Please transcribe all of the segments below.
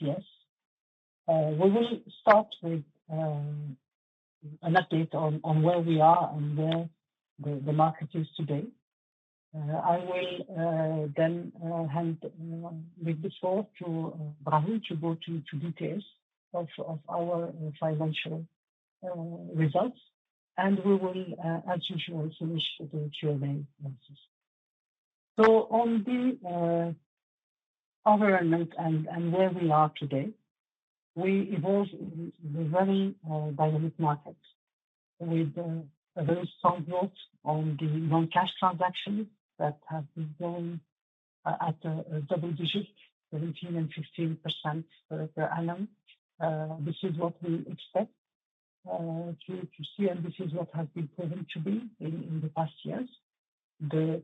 HPS. We will start with an update on where we are and where the market is today. I will then hand the floor to Brahim to go to details of our financial results, and we will as usual finish with the Q&A session. So on the environment and where we are today, we evolve in a very dynamic market with a very strong growth on the non-cash transactions that have been growing at a double digit, 17% and 15% per annum. This is what we expect to see, and this is what has been proven to be in the past years. The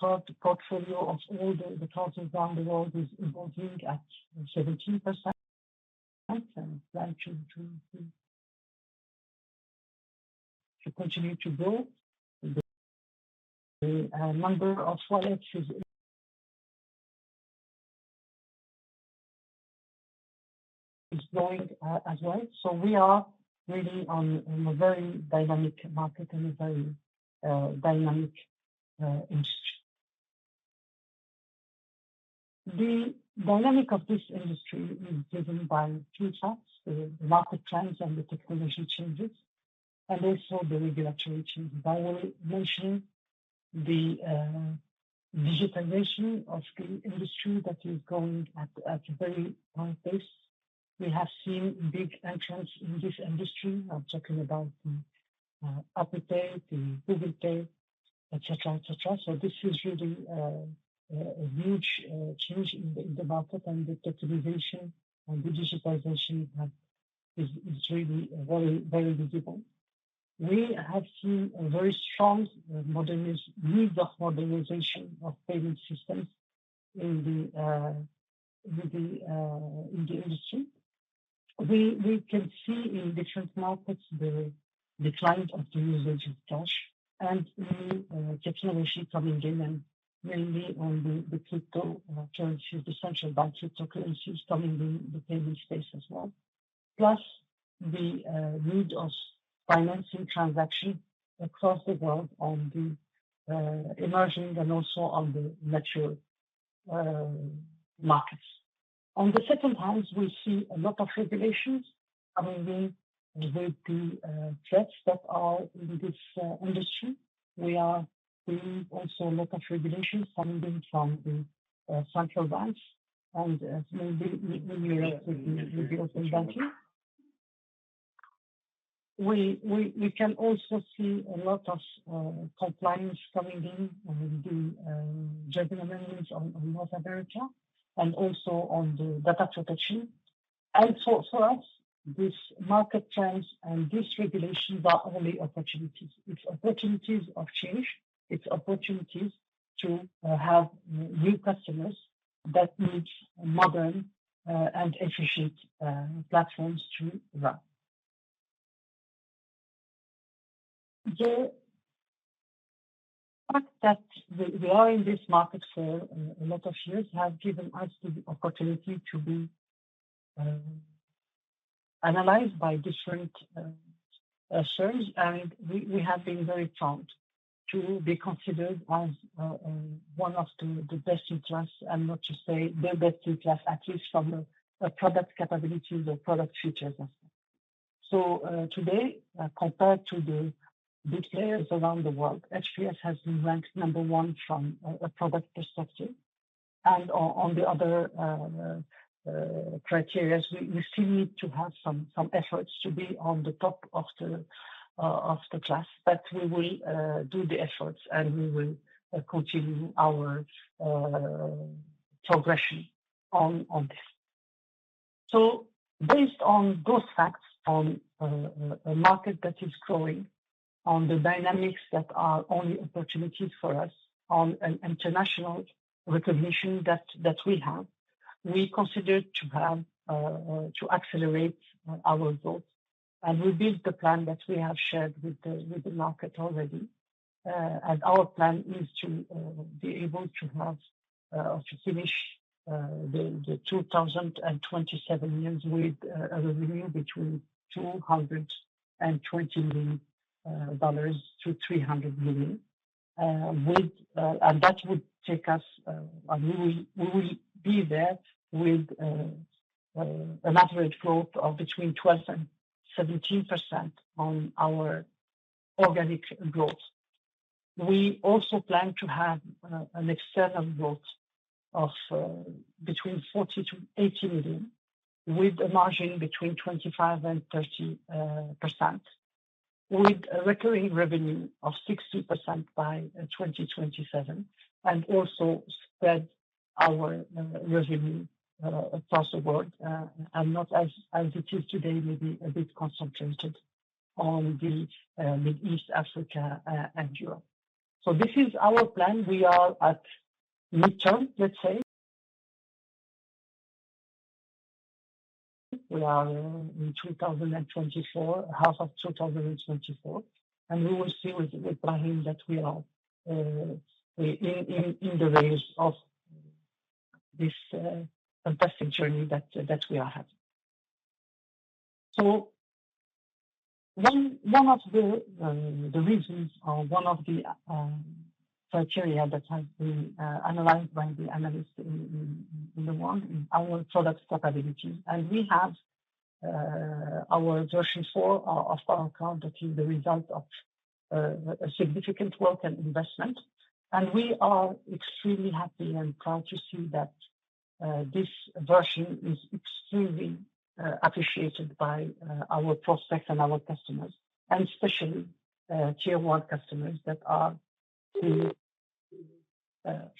card portfolio of all the cards around the world is evolving at 17%, and likely to continue to grow. The number of wallets is growing as well. So we are really in a very dynamic market and a very dynamic industry. The dynamic of this industry is driven by two facts: the market trends and the technology changes, and also the regulatory changes. I will mention the digitalization of the industry that is going at a very high pace. We have seen big entrants in this industry. I'm talking about the Apple Pay, the Google Pay, et cetera, et cetera. So this is really a huge change in the market and the technological and the digitalization is really very visible. We have seen a very strong modernization need for modernization of payment systems in the industry. We can see in different markets the decline of the usage of cash and the technology coming in and mainly the cryptocurrencies, especially cryptocurrencies coming in the payment space as well. Plus the need for processing transactions across the world in the emerging and also in the mature markets. On the other hand, we see a lot of regulations coming in with the threats that are in this industry. We are seeing also a lot of regulations coming in from the central banks and maybe related with the open banking. We can also see a lot of compliance coming in with the general manager on North America and also on the data protection. So, for us, this market trends and this regulations are only opportunities. It's opportunities of change, it's opportunities to have new customers that need modern and efficient platforms to run. The fact that we are in this market for a lot of years has given us the opportunity to be analyzed by different firms, and we have been very proud to be considered as one of the best in class, and not to say the best in class, at least from a product capabilities or product features and so on. So, today, compared to the big players around the world, HPS has been ranked number one from a product perspective. And on the other criteria, we still need to have some efforts to be on the top of the class. But we will do the efforts, and we will continue our progression on this. So based on those facts, on a market that is growing, on the dynamics that are only opportunities for us, on an international recognition that we have, we consider to have to accelerate our growth. And we built the plan that we have shared with the market already. Our plan is to be able to have or to finish the 2027 year with a revenue between $220 million and $300 million. That would take us and we will be there with an average growth of between 12% and 17% on our organic growth. We also plan to have an external growth of between $40 to 80 million, with a margin between 25% and 30%, with a recurring revenue of 60% by 2027, and also spread our revenue across the world and not as it is today, maybe a bit concentrated on the Middle East, Africa, and Europe. So this is our plan. We are at midterm, let's say. We are in two thousand and twenty-four, half of two thousand and twenty-four, and we will see with Brahim that we are in the race of this fantastic journey that we are having. One of the reasons or one of the criteria that has been analyzed by the analyst in the world, our product capability. We have our version four of our PowerCARD, that is the result of a significant work and investment, and we are extremely happy and proud to see that this version is extremely appreciated by our prospects and our customers, and especially Tier 1 customers that are seeing the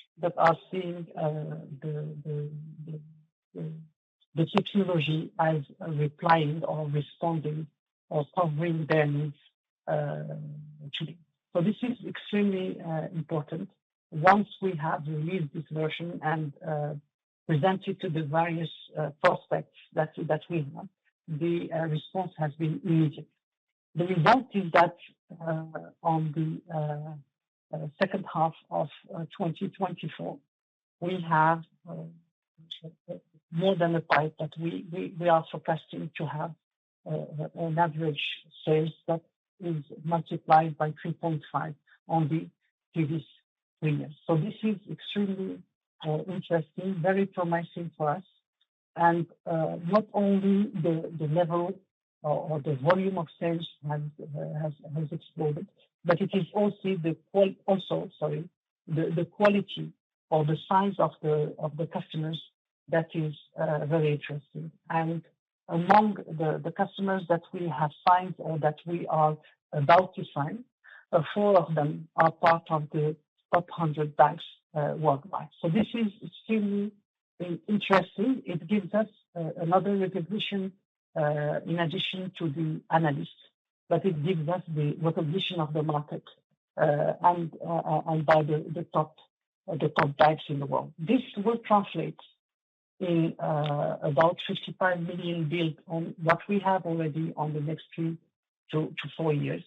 technology as replying or responding or covering their needs today. This is extremely important. Once we have released this version and presented to the various prospects that we want, the response has been immediate. The result is that on the H2 of twenty twenty-four, we have more than a pipeline, but we are forecasting to have an average sales that is multiplied by 3.5 on the previous three years. This is extremely interesting, very promising for us, not only the level or the volume of sales has exploded, but it is also the quality or the size of the customers that is very interesting, and among the customers that we have signed or that we are about to sign, four of them are part of the top 100 banks worldwide. So this is extremely interesting. It gives us another recognition in addition to the analysis, but it gives us the recognition of the market, and by the top banks in the world. This will translate in about $55 million built on what we have already on the next two to four years,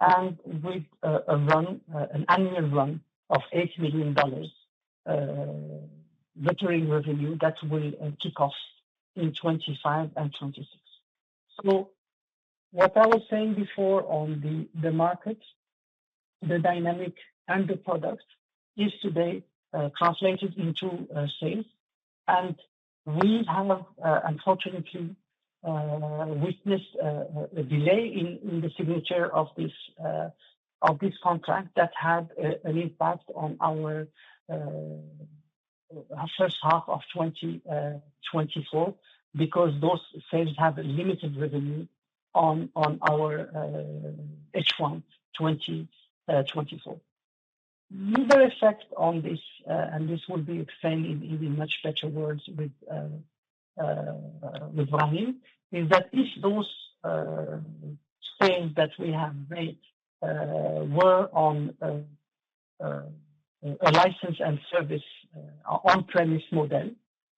and with a run, an annual run of $8 million recurring revenue that will kick off in 2025 and 2026. So what I was saying before on the market, the dynamic and the product is today translated into sales. We have unfortunately witnessed a delay in the signature of this contract that had an impact on our H1 of 2024, because those sales have a limited revenue on our H1 2024. The other effect on this and this will be explained in even much better words with Brahim is that if those sales that we have made were on a license and service on-premise model,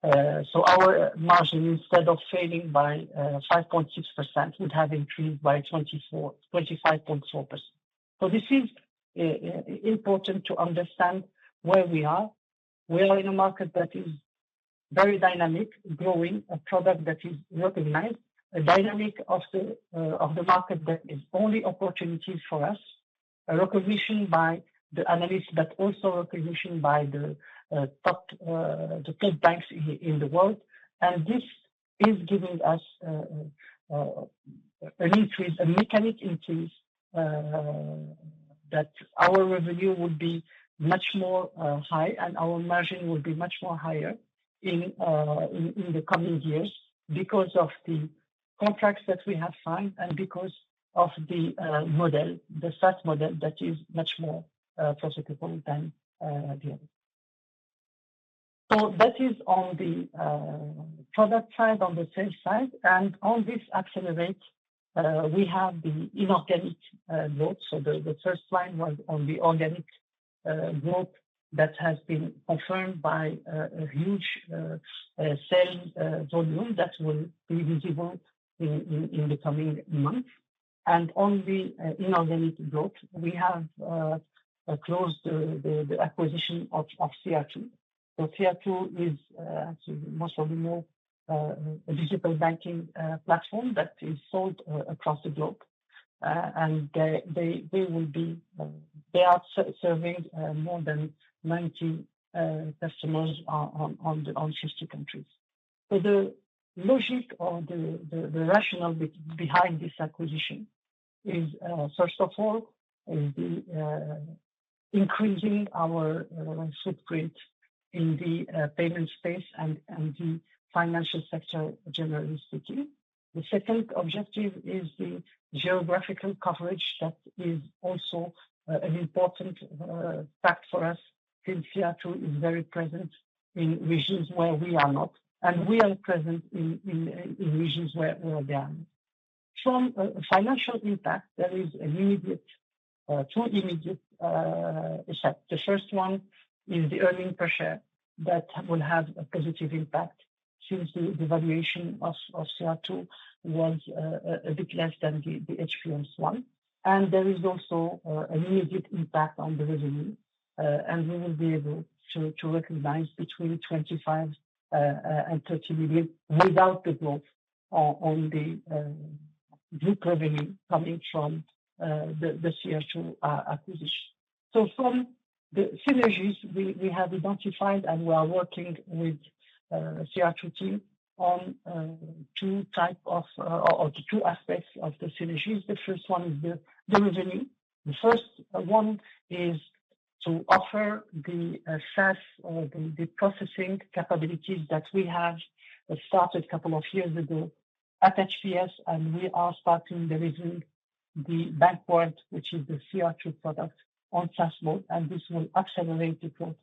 so our margin, instead of failing by 5.6%, would have increased by 24%-25.4%. This is important to understand where we are. We are in a market that is very dynamic, growing, a product that is recognized, a dynamic of the market that is only opportunities for us, a recognition by the analysts, but also recognition by the top banks in the world. And this is giving us an increase, a marked increase, that our revenue would be much more high and our margin will be much more higher in the coming years, because of the contracts that we have signed and because of the model, the SaaS model that is much more profitable than the other. So that is on the product side, on the sales side. And to accelerate, we have the inorganic growth. So the first line was on the organic growth that has been confirmed by a huge sales volume that will be visible in the coming months. And on the inorganic growth, we have closed the acquisition CR2 is, most of you know, a digital banking platform that is sold across the globe. And they are serving more than 90 customers in 60 countries. So the logic or the rationale behind this acquisition is, first of all, increasing our footprint in the payment space and the financial sector generally speaking. The second objective is the geographical coverage. That is also an important fact for us, since CR2 is very present in regions where we are not, and we are present in regions where they are. From a financial impact, there are two immediate effects. The first one is the earnings per share that will have a positive impact since the valuation of CR2 was a bit less than the HPS one. And there is also an immediate impact on the revenue, and we will be able to recognize between 25 and 30 million without the growth on the group revenue coming from the CR2 acquisition. From the synergies we have identified and we are working with the CR2 team on two types of or two aspects of the synergies. The first one is the revenue. The first one is to offer the SaaS or the processing capabilities that we have started a couple of years ago at HPS, and we are starting the recurring revenue, the backlog, which is the CR2 product on SaaS mode, and this will accelerate the growth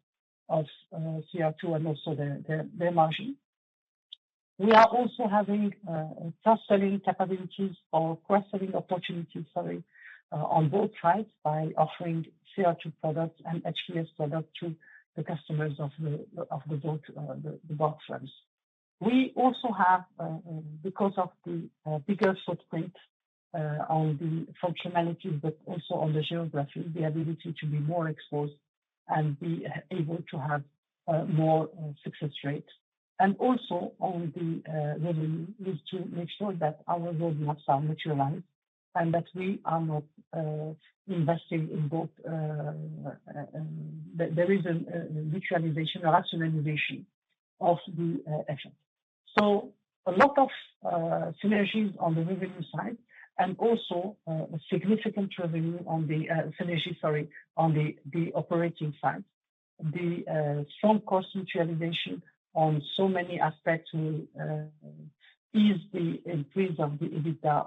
of CR2 and also the margin. We are also having cross-selling capabilities or cross-selling opportunities, sorry, on both sides by offering CR2 products and HPS products to the customers of both firms. We also have, because of the bigger footprint on the functionality, but also on the geography, the ability to be more exposed and be able to have more success rates. And also on the revenue is to make sure that our roadmaps are materialized and that we are not investing in both. There is a virtualization or rationalization of the action. So a lot of synergies on the revenue side and also a significant revenue on the synergy, sorry, on the operating side. The strong cost rationalization on so many aspects will ease the increase of the EBITDA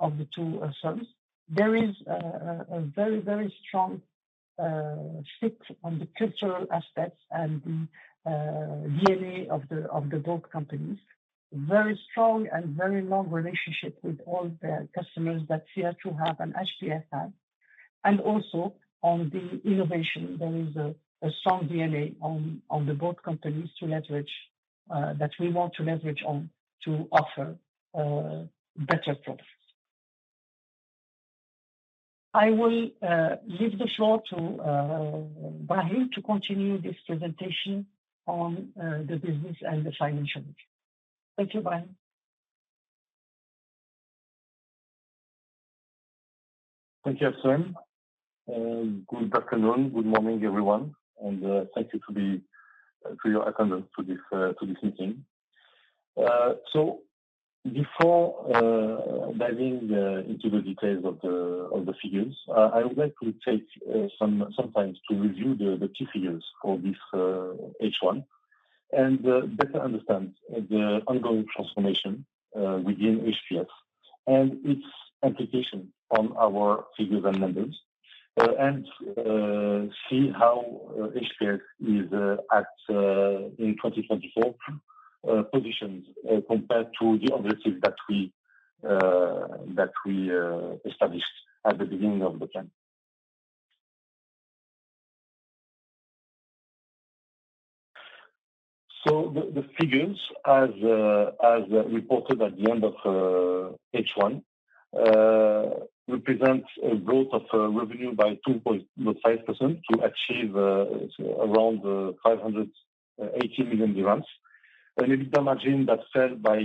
of the two services. There is a very strong fit on the cultural aspects and the DNA of the both companies. Very strong and very long relationship with all the customers that CR2 have and HPS have. And also on the innovation, there is a strong DNA on the both companies to leverage that we want to leverage on to offer better products. I will leave the floor to Brahim to continue this presentation on the business and the financial. Thank you, Brahim. Thank you, Abdeslam. Good afternoon, good morning, everyone, and thank you for your attendance to this meeting. Before diving into the details of the figures, I would like to take some time to review the key figures for this H1, and better understand the ongoing transformation within HPS and its implication on our figures and numbers, and see how HPS is, in 2024, positioned compared to the objectives that we established at the beginning of the plan. The figures as reported at the end of H1 represents a growth of revenue by 2.5% to achieve around EUR 580 million. An EBITDA margin that fell by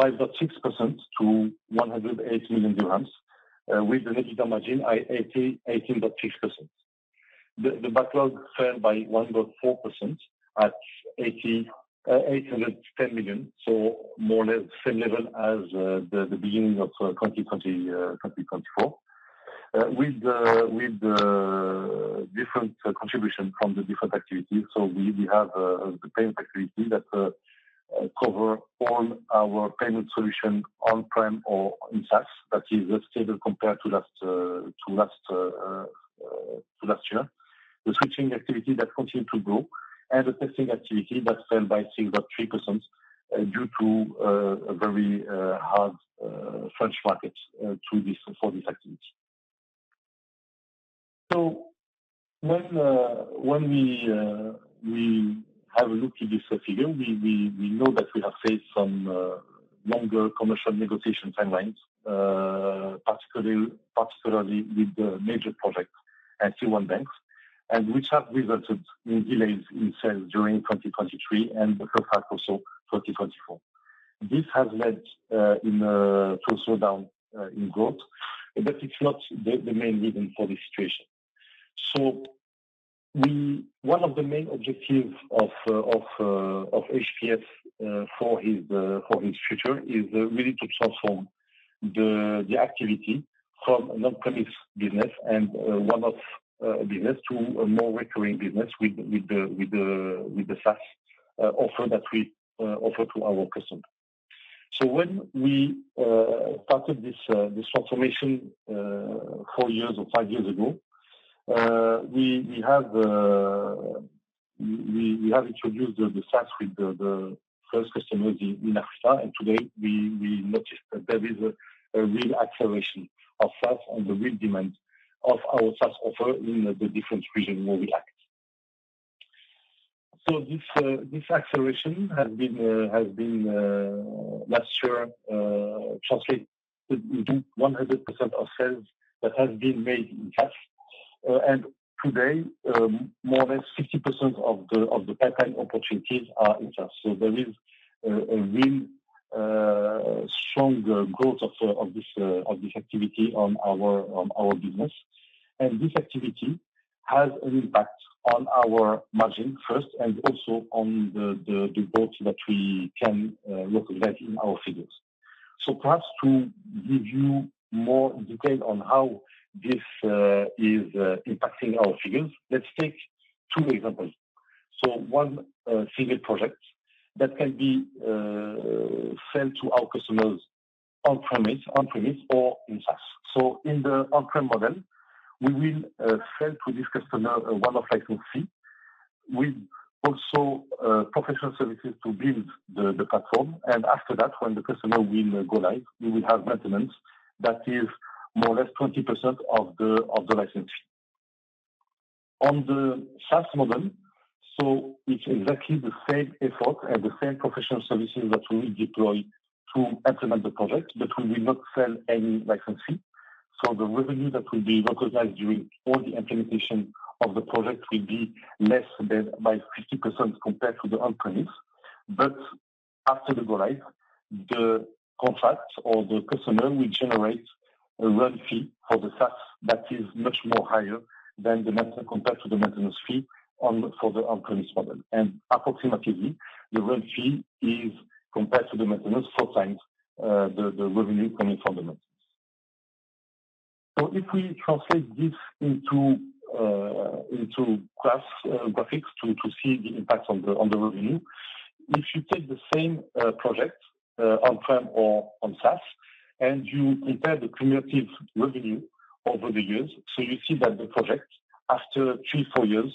5.6% to EUR 108 million, with the EBITDA margin at 18.6%. The backlog fell by 1.4% at 810 million, so more or less same level as the beginning of 2024. With the different contribution from the different activities. So we have the payment activity that cover all our payment solution on-prem or in SaaS. That is stable compared to last year. The switching activity that continued to grow, and the testing activity that fell by 6.3% due to a very hard French market for this activity. So when we have a look at this figure, we know that we have faced some longer commercial negotiation timelines, particularly with the major projects and Tier 1 banks, and which have resulted in delays in sales during twenty twenty-three and the H1 also twenty twenty-four. This has led to a slowdown in growth, but it's not the main reason for this situation. One of the main objectives of HPS for its future is really to transform the activity from an on-premise business and one-off business to a more recurring business with the SaaS offer that we offer to our customers. When we started this transformation four years or five years ago, we have introduced the SaaS with the first customers in Africa, and today we noticed that there is a real acceleration of SaaS on the real demand of our SaaS offer in the different regions where we act. This acceleration has been last year translate into 100% of sales that has been made in SaaS, and today more than 60% of the pipeline opportunities are in SaaS. There is a real strong growth of this activity on our business. This activity has an impact on our margin first, and also on the growth that we can recognize in our figures. Perhaps to give you more detail on how this is impacting our figures, let's take two examples. One single project that can be sold to our customers on-premise or in SaaS. In the on-prem model, we will sell to this customer a one-off licensing fee, with also professional services to build the platform. After that, when the customer will go live, we will have maintenance that is more or less 20% of the licensing. On the SaaS model, it's exactly the same effort and the same professional services that we deploy to implement the project, but we will not sell any licensing. The revenue that will be recognized during all the implementation of the project will be less than by 50% compared to the on-premise. But after the go live, the contract or the customer will generate a run fee for the SaaS that is much more higher than the maintenance, compared to the maintenance fee on the, for the on-premise model. And approximately, the run fee is compared to the maintenance, four times, the revenue coming from the maintenance. So if we translate this into graphs, graphics, to see the impact on the revenue, if you take the same project, on-prem or on SaaS, and you compare the cumulative revenue over the years, so you see that the project, after three, four years,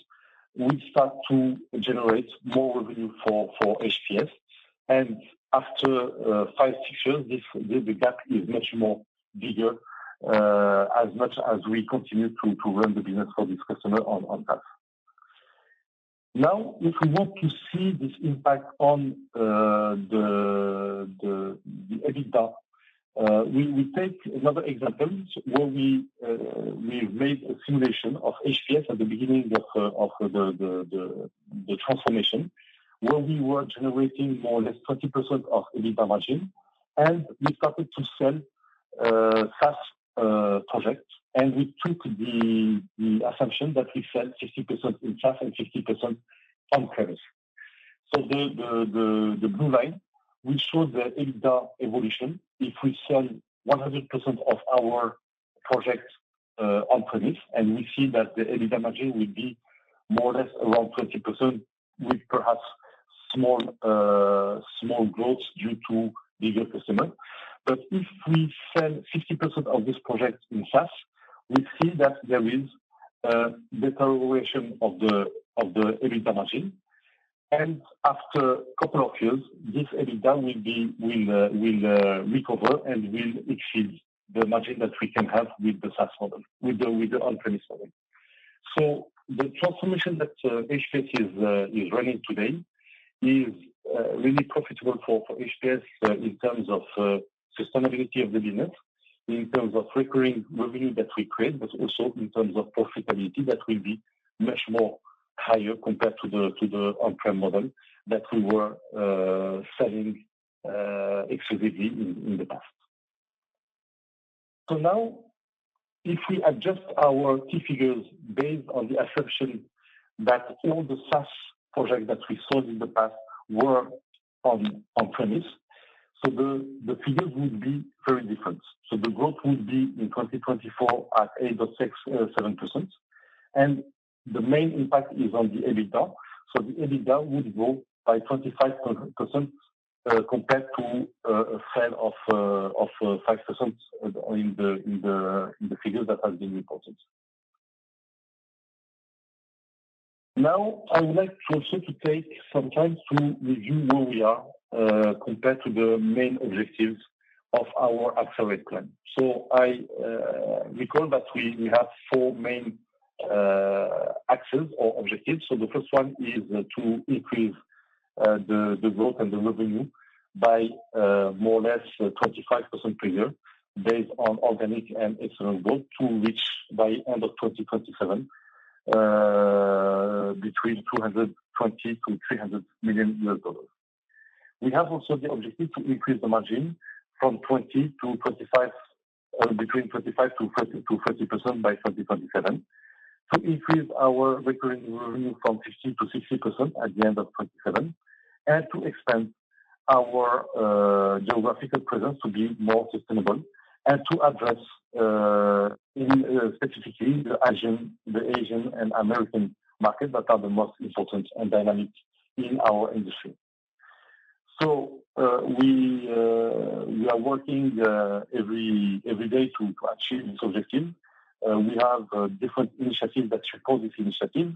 will start to generate more revenue for HPS. And after five, six years, the gap is much more bigger, as much as we continue to run the business for this customer on SaaS. Now, if we want to see this impact on the EBITDA, we take another example where we made a simulation of HPS at the beginning of the transformation, where we were generating more or less 20% EBITDA margin, and we started to sell SaaS projects. And we took the assumption that we sell 60% in SaaS and 60% on-premise. So the blue line, we show the EBITDA evolution. If we sell 100% of our projects on-premise, and we see that the EBITDA margin will be more or less around 20%, with perhaps small growth due to bigger customer, but if we sell 60% of this project in SaaS, we see that there is a deterioration of the EBITDA margin, and after a couple of years, this EBITDA will recover and will exceed the margin that we can have with the SaaS model with the on-premise model. So the transformation that HPS is running today is really profitable for HPS in terms of sustainability of the business, in terms of recurring revenue that we create, but also in terms of profitability that will be much more higher compared to the on-premise model that we were selling exclusively in the past. So now, if we adjust our key figures based on the assumption that all the SaaS projects that we sold in the past were on-premise, so the figures will be very different. So the growth will be in 2024 at 8.67%. And the main impact is on the EBITDA. So the EBITDA would grow by 25%, compared to a sale of 5% in the figures that have been reported. Now, I would like also to take some time to review where we are compared to the main objectives of our Accelerate plan. So I recall that we have four main axes or objectives. So the first one is to increase the growth and the revenue by more or less 25% per year, based on organic and external growth, to reach by end of 2027 between $220 to 300 million. We have also the objective to increase the margin from 20% to 25%, or between 25% to 30% by 2027. To increase our recurring revenue from 50% to 60% at the end of 2027, and to expand our geographical presence to be more sustainable, and to address specifically the Asian and American markets that are the most important and dynamic in our industry, so we are working every day to achieve this objective. We have different initiatives that support this initiative,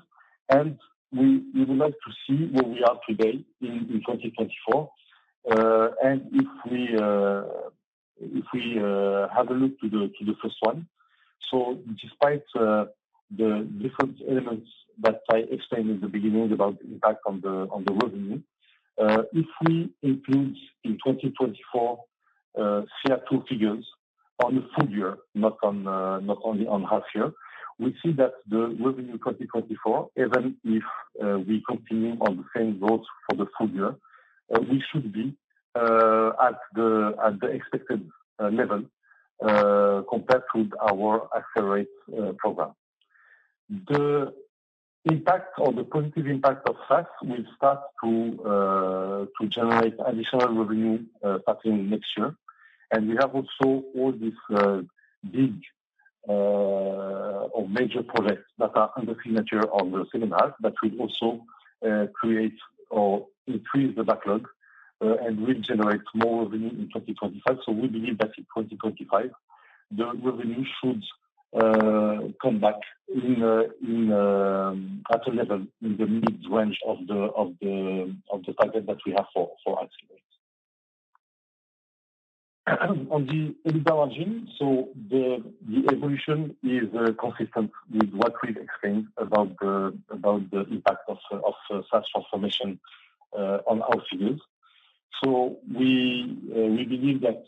and we would like to see where we are today in 2024, and if we have a look to the first one. Despite the different elements that I explained in the beginning about the impact on the revenue, if we include in twenty twenty-four CR2 figures on the full year, not only on half year, we see that the revenue in twenty twenty-four, even if we continue on the same growth for the full year, we should be at the expected level compared with our Accelerate program. The impact or the positive impact of SaaS will start to generate additional revenue starting next year. We have also all these big or major projects that are under signature on the H2, that will also create or increase the backlog and will generate more revenue in 2025. So we believe that in 2025, the revenue should come back in at a level in the mid-range of the target that we have for Accelerate. On the EBITDA margin, the evolution is consistent with what we've explained about the impact of SaaS transformation on our figures. So we believe that,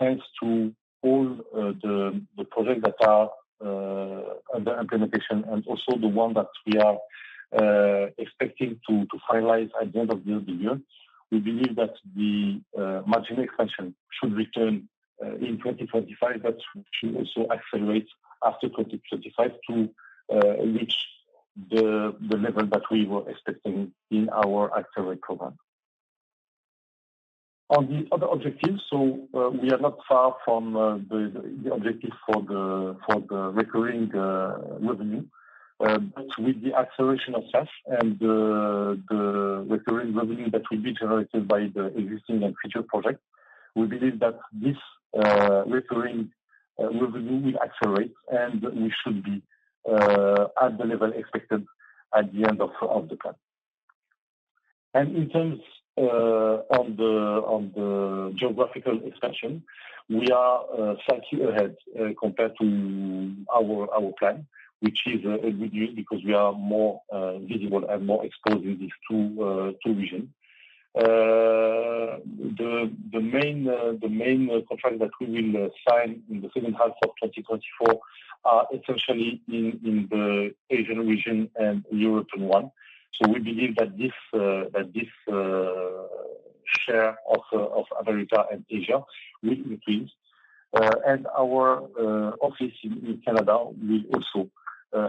thanks to all the projects that are under implementation and also the one that we are expecting to finalize at the end of the year, we believe that the margin expansion should return in 2025, but should also accelerate after 2025 to reach the level that we were expecting in our Accelerate program. On the other objectives, so, we are not far from the objective for the recurring revenue. But with the acceleration of SaaS and the recurring revenue that will be generated by the existing and future projects, we believe that this recurring revenue will accelerate, and we should be at the level expected at the end of the plan. In terms on the geographical expansion, we are slightly ahead compared to our plan, which is a good news because we are more visible and more exposed in these two region. The main contract that we will sign in the H2 of twenty twenty-four are essentially in the Asian region and European one. We believe that this share of America and Asia will increase. And our office in Canada will also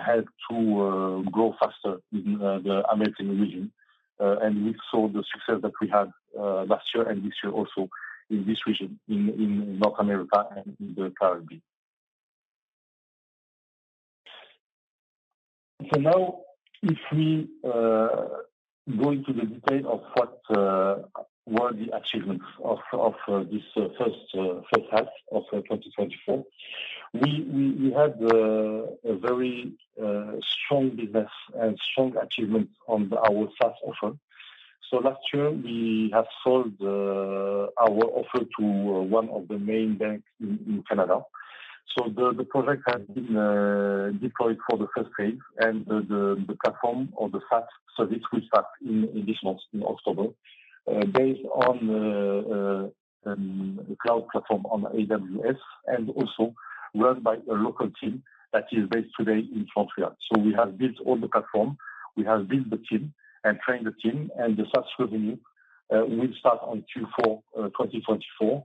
help to grow faster in the American region. And we saw the success that we had last year and this year also in this region, in North America and in the Caribbean. Now, if we go into the detail of what were the achievements of this H1 of twenty twenty-four, we had a very strong business and strong achievements on our SaaS offer. Last year, we have sold our offer to one of the main banks in Canada. So the project has been deployed for the first phase, and the platform or the SaaS service will start in this month, in October, based on the cloud platform on AWS, and also run by a local team that is based today in Montreal. So we have built all the platform, we have built the team and trained the team, and the SaaS revenue will start on Q4 2024,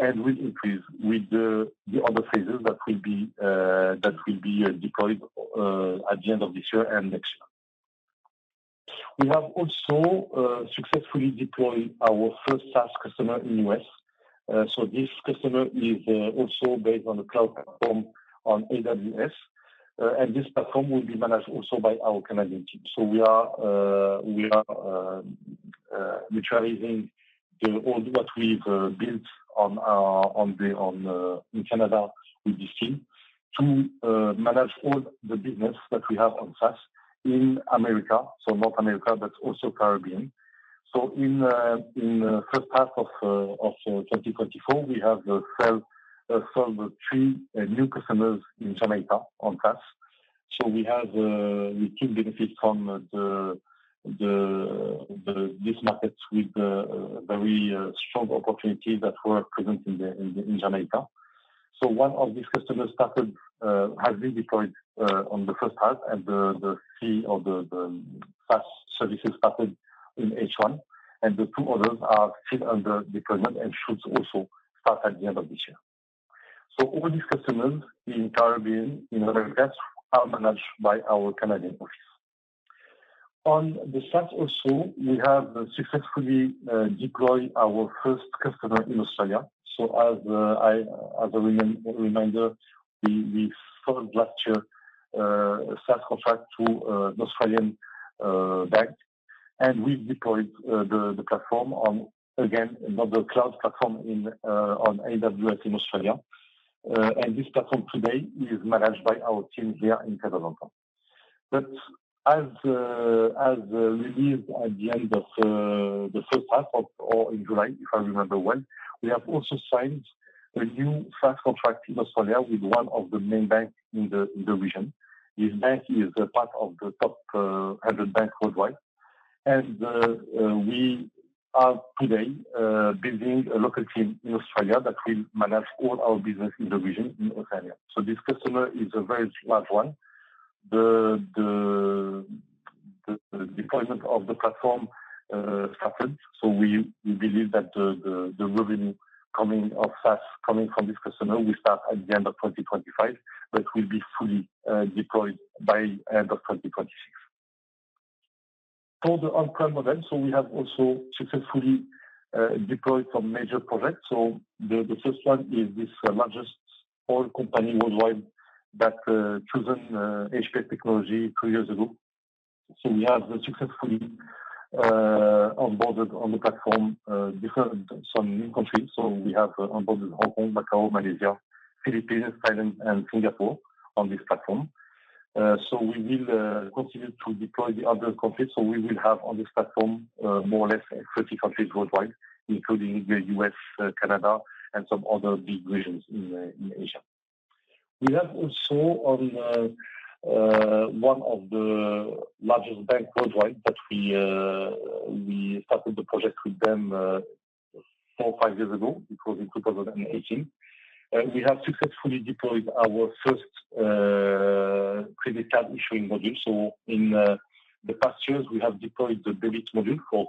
and will increase with the other phases that will be deployed at the end of this year and next year. We have also successfully deployed our first SaaS customer in US. So this customer is also based on the cloud platform on AWS, and this platform will be managed also by our Canadian team. So we are utilizing all what we've built in Canada with this team to manage all the business that we have on SaaS in America, so North America, but also Caribbean. So in H1 of 2024, we have sold three new customers in Jamaica on SaaS. So we still benefit from these markets with very strong opportunity that were present in Jamaica. So one of these customers has been deployed on the H1, and the three of the SaaS services started in H1, and the two others are still under deployment and should also start at the end of this year. All these customers in the Caribbean, in America, are managed by our Canadian office. On the SaaS also, we have successfully deployed our first customer in Australia. As a reminder, we sold last year a SaaS contract to an Australian bank, and we deployed the platform on, again, another cloud platform on AWS in Australia. And this platform today is managed by our team here in Casablanca, but as we'll go live at the end of the H1 or in July, if I remember well, we have also signed a new SaaS contract in Australia with one of the main banks in the region. This bank is a part of the top 100 banks worldwide. We are today building a local team in Australia that will manage all our business in the region in Australia. This customer is a very large one. The deployment of the platform started, so we believe that the revenue coming from SaaS coming from this customer will start at the end of 2025, but will be fully deployed by end of 2026. For the on-premise, we have also successfully deployed some major projects. The first one is this largest oil company worldwide that chosen HPS technology two years ago. We have successfully onboarded on the platform different some new countries. We have onboarded Hong Kong, Macau, Malaysia, Philippines, Thailand, and Singapore on this platform. We will continue to deploy the other countries. So we will have on this platform, more or less thirty countries worldwide, including the U.S., Canada, and some other big regions in Asia. We have also on one of the largest bank worldwide, that we started the project with them four or five years ago. It was in 2018. We have successfully deployed our first credit card issuing module. So in the past years, we have deployed the debit module for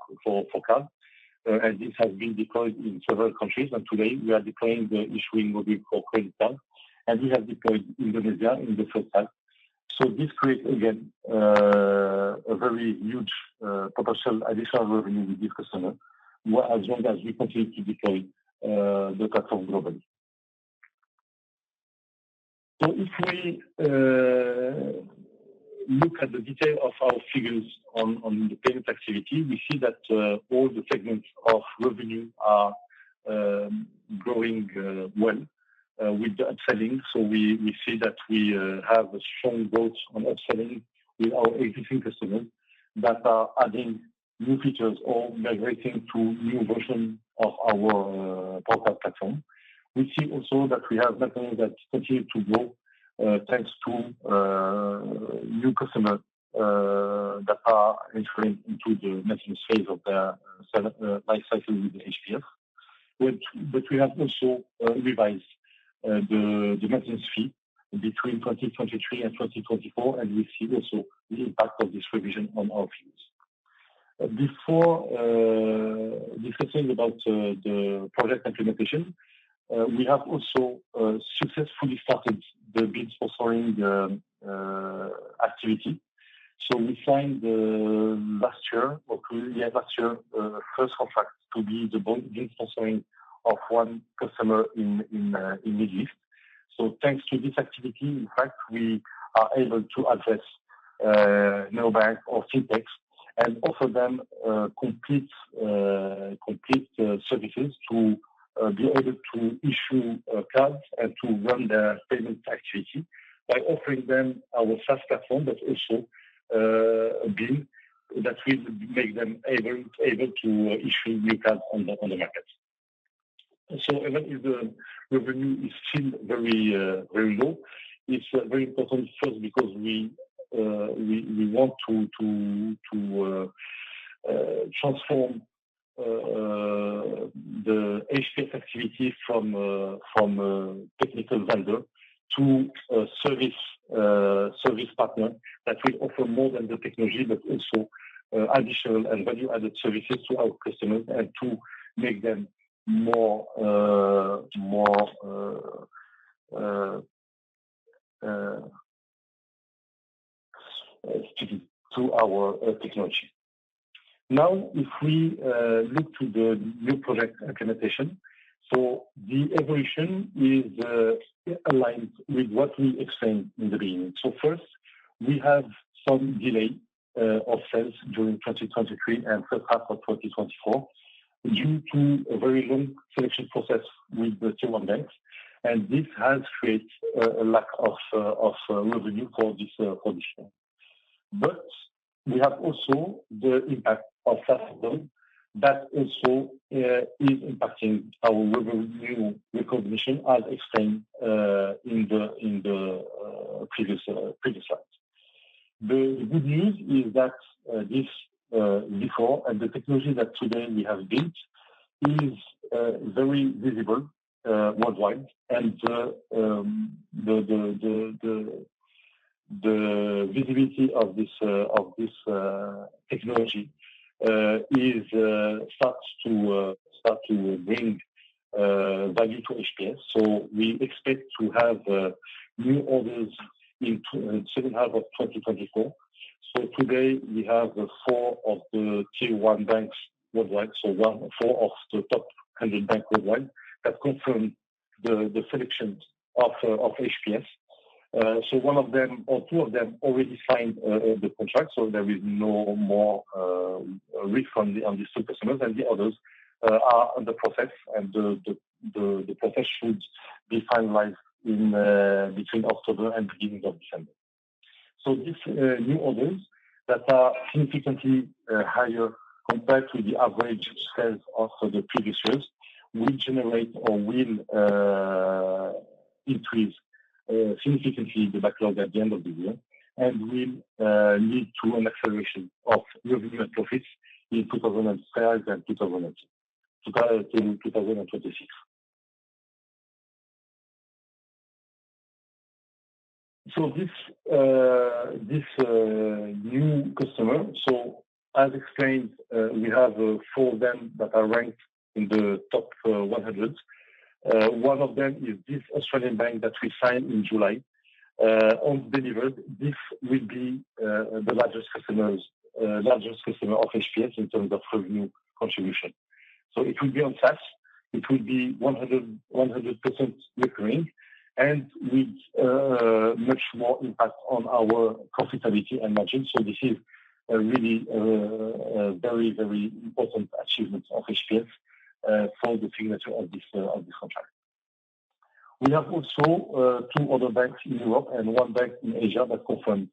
card, and this has been deployed in several countries, and today we are deploying the issuing module for credit card, and we have deployed in Indonesia in the H1. So this creates again a very huge potential additional revenue with this customer, whereas as long as we continue to deploy the platform globally. So if we look at the detail of our figures on the payment activity, we see that all the segments of revenue are growing well with the upselling. We see that we have a strong growth on upselling with our existing customers that are adding new features or migrating to new version of our PowerCARD platform. We see also that we have maintenance that continue to grow thanks to new customers that are entering into the maintenance phase of their sale life cycle with HPS. We have also revised the maintenance fee between 2023 and 2024, and we see also the impact of this revision on our fees. Before discussing about the project implementation, we have also successfully started the BIN Sponsoring activity. So we signed last year or early last year first contract to be the BIN sponsoring of one customer in Middle East. So thanks to this activity, in fact, we are able to address neobanks or fintechs, and offer them complete services to be able to issue cards and to run their payment activity by offering them our SaaS platform, but also BIN, that will make them able to issue new cards on the market. Even if the revenue is still very, very low, it's very important first because we want to transform the HPS activity from technical vendor to a service partner that will offer more than the technology, but also additional and value-added services to our customers, and to make them more sticky to our technology. Now, if we look to the new product implementation, so the evolution is aligned with what we explained in the beginning. First, we have some delay of sales during 2023 and H1 of 2024, due to a very long selection process with the two banks, and this has created a lack of revenue for this condition. But we have also the impact of SaaS, that also, is impacting our revenue recognition, as explained, in the previous slide. The good news is that this PowerCARD Version 4 and the technology that today we have built is very visible worldwide. And the visibility of this technology starts to bring value to HPS. So we expect to have new orders in H2 of 2024. So today we have four of the Tier 1 banks worldwide, so four of the top 100 banks worldwide have confirmed the selection of HPS. So one of them or two of them already signed the contract, so there is no more risk on the, on these two customers, and the others are in the process, and the process should be finalized in between October and beginning of December. So these new orders that are significantly higher compared to the average sales of the previous years will generate or will increase significantly the backlog at the end of the year, and will lead to an acceleration of revenue and profits in 2025 and 2026. So this new customer, so as explained, we have four of them that are ranked in the top one hundred. One of them is this Australian bank that we signed in July, and delivered. This will be the largest customer of HPS in terms of revenue contribution. So it will be on SaaS. It will be 100% recurring and with much more impact on our profitability and margin. So this is a really a very, very important achievement of HPS for the signature of this contract. We have also two other banks in Europe and one bank in Asia that confirmed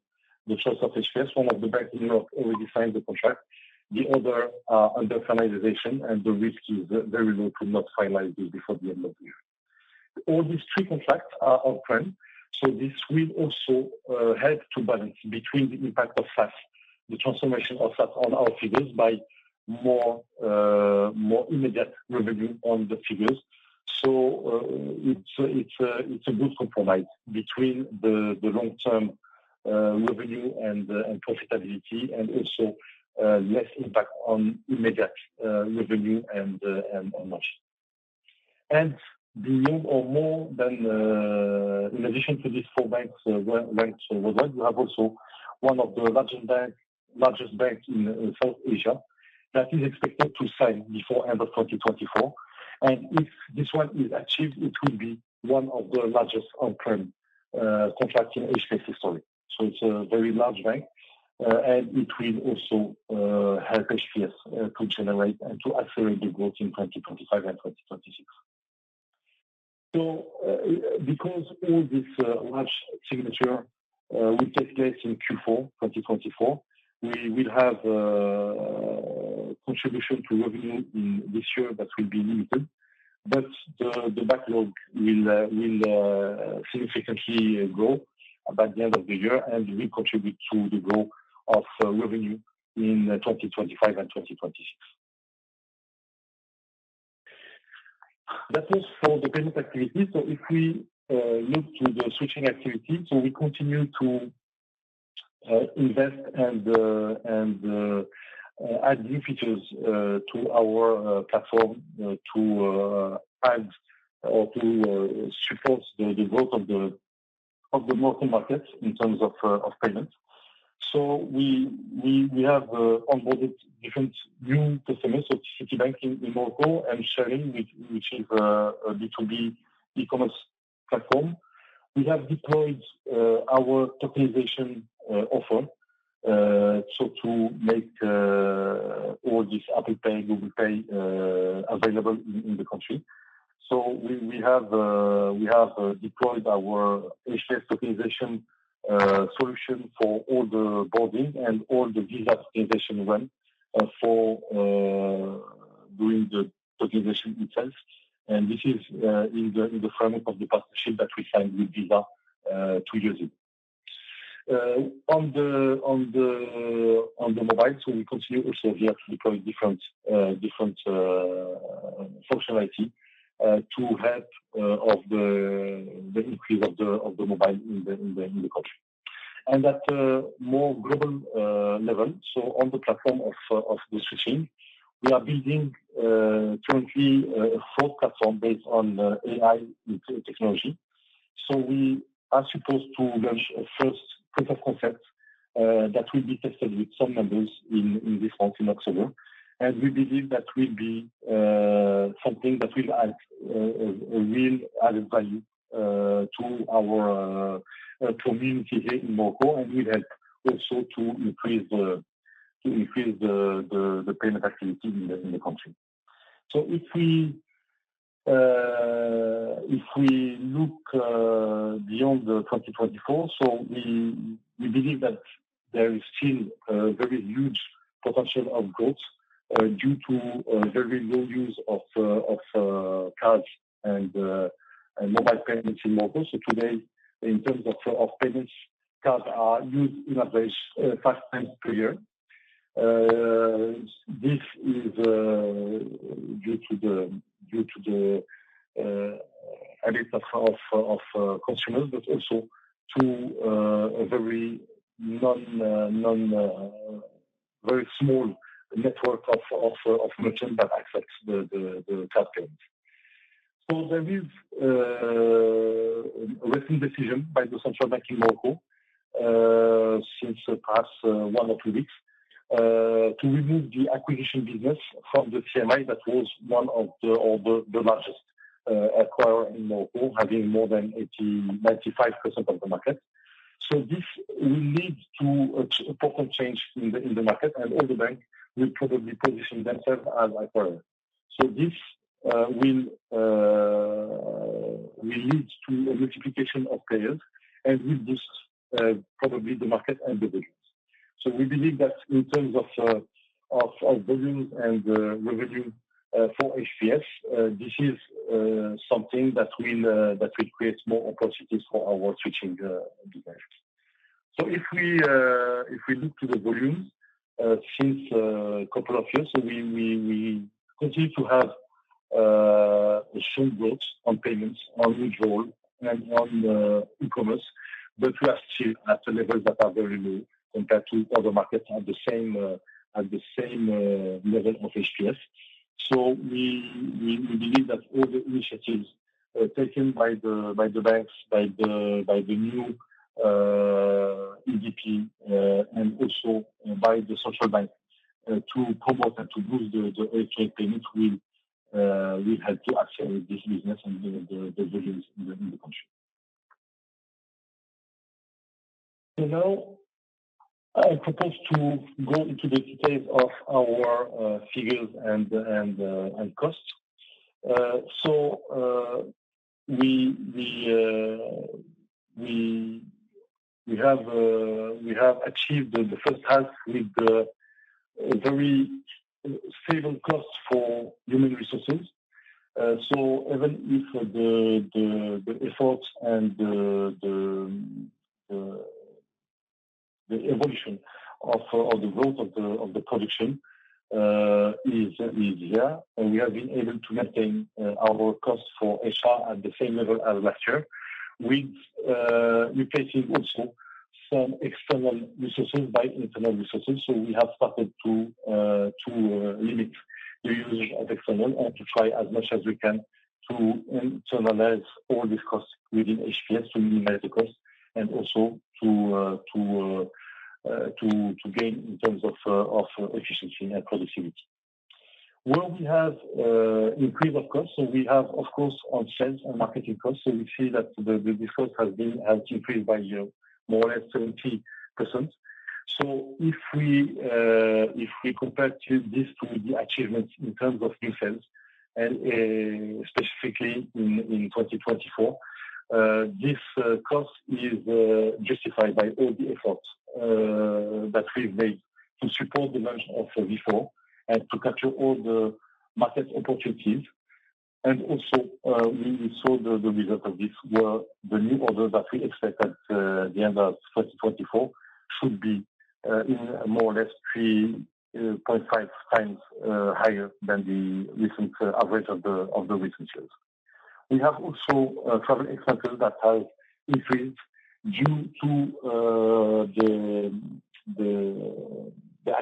the choice of HPS. One of the banks in Europe already signed the contract. The other under finalization, and the risk is very low to not finalize this before the end of the year. All these three contracts are on-prem, so this will also help to balance between the impact of SaaS, the transformation of SaaS on our figures, by more immediate revenue on the figures. So, it's a good compromise between the long-term revenue and profitability, and also less impact on immediate revenue and on margin. And beyond or more than, in addition to these four banks, world-ranked worldwide, we have also one of the largest banks in South Asia that is expected to sign before end of 2024. And if this one is achieved, it will be one of the largest on-prem contract in HPS history. So it's a very large bank, and it will also help HPS to generate and to accelerate the growth in 2025 and 2026. So, because all this large signing will take place in Q4 2024, we will have a contribution to revenue in this year that will be limited, but the backlog will significantly grow by the end of the year and will contribute to the growth of revenue in 2025 and 2026. That was for the payment activity. So if we look to the switching activity, so we continue to invest and add new features to our platform to add or to support the growth of the Moroccan market in terms of payment. So we have onboarded different new customers, so Citibank in Morocco, and Shein, which is a B2B e-commerce platform. We have deployed our tokenization offer so to make all this Apple Pay, Google Pay available in the country. So we have deployed our HPS tokenization solution for all the onboarding and all the Visa tokenization, well, for doing the tokenization itself, and this is in the framework of the partnership that we signed with Visa to use it. On the mobile, so we continue also here to deploy different functionality to help with the increase of the mobile in the country. At a more global level, so on the platform of the switching, we are building currently a full platform based on AI technology. We are supposed to launch a first proof of concept that will be tested with some members in this month, in October. We believe that will be something that will add a real added value to our community here in Morocco, and will help also to increase the payment activity in the country. If we look beyond twenty twenty-four, we believe that there is still a very huge potential of growth due to a very low use of cards and mobile payments in Morocco. Today, in terms of payments, cards are used on average five times per year. This is due to the habit of consumers, but also to a very, very small network of merchants that accepts the card payments. There is a recent decision by the Central Bank in Morocco, in the past one or two weeks, to remove the acquiring business from the CMI. That was one of the largest acquirer in Morocco, having more than 80%-95% of the market. This will lead to an important change in the market, and all the banks will probably position themselves as acquirers. So this will lead to a multiplication of players and with this, probably the market and the business. So we believe that in terms of of volume and revenue for HPS, this is something that will create more opportunities for our switching business. So if we look to the volumes since a couple of years, so we continue to have a strong growth on payments, on withdrawal, and on e-commerce, but we are still at the levels that are very low compared to other markets at the same level of HPS. We believe that all the initiatives taken by the banks, by the new EDP, and also by the social bank to promote and to boost the HPS payment will help to accelerate this business and the business in the country. Now, I propose to go into the details of our figures and costs. We have achieved the H1 with the very stable costs for human resources. So even if the efforts and the evolution of the growth of the production is there, and we have been able to maintain our costs for HR at the same level as last year, with replacing also some external resources by internal resources. So we have started to limit the use of external and to try as much as we can to internalize all these costs within HPS, to minimize the cost, and also to gain in terms of efficiency and productivity. Where we have increased our costs, so we have, of course, on sales and marketing costs. So we see that the resource has increased by more or less 70%. If we compare this to the achievements in terms of new sales and specifically in twenty twenty-four, this cost is justified by all the efforts that we've made to support the launch of PowerCARD Version 4 and to capture all the market opportunities. We also saw the result of this, where the new order that we expect at the end of twenty twenty-four should be in more or less 3.5 times higher than the recent average of the recent years. We have also travel expenses that have increased due to the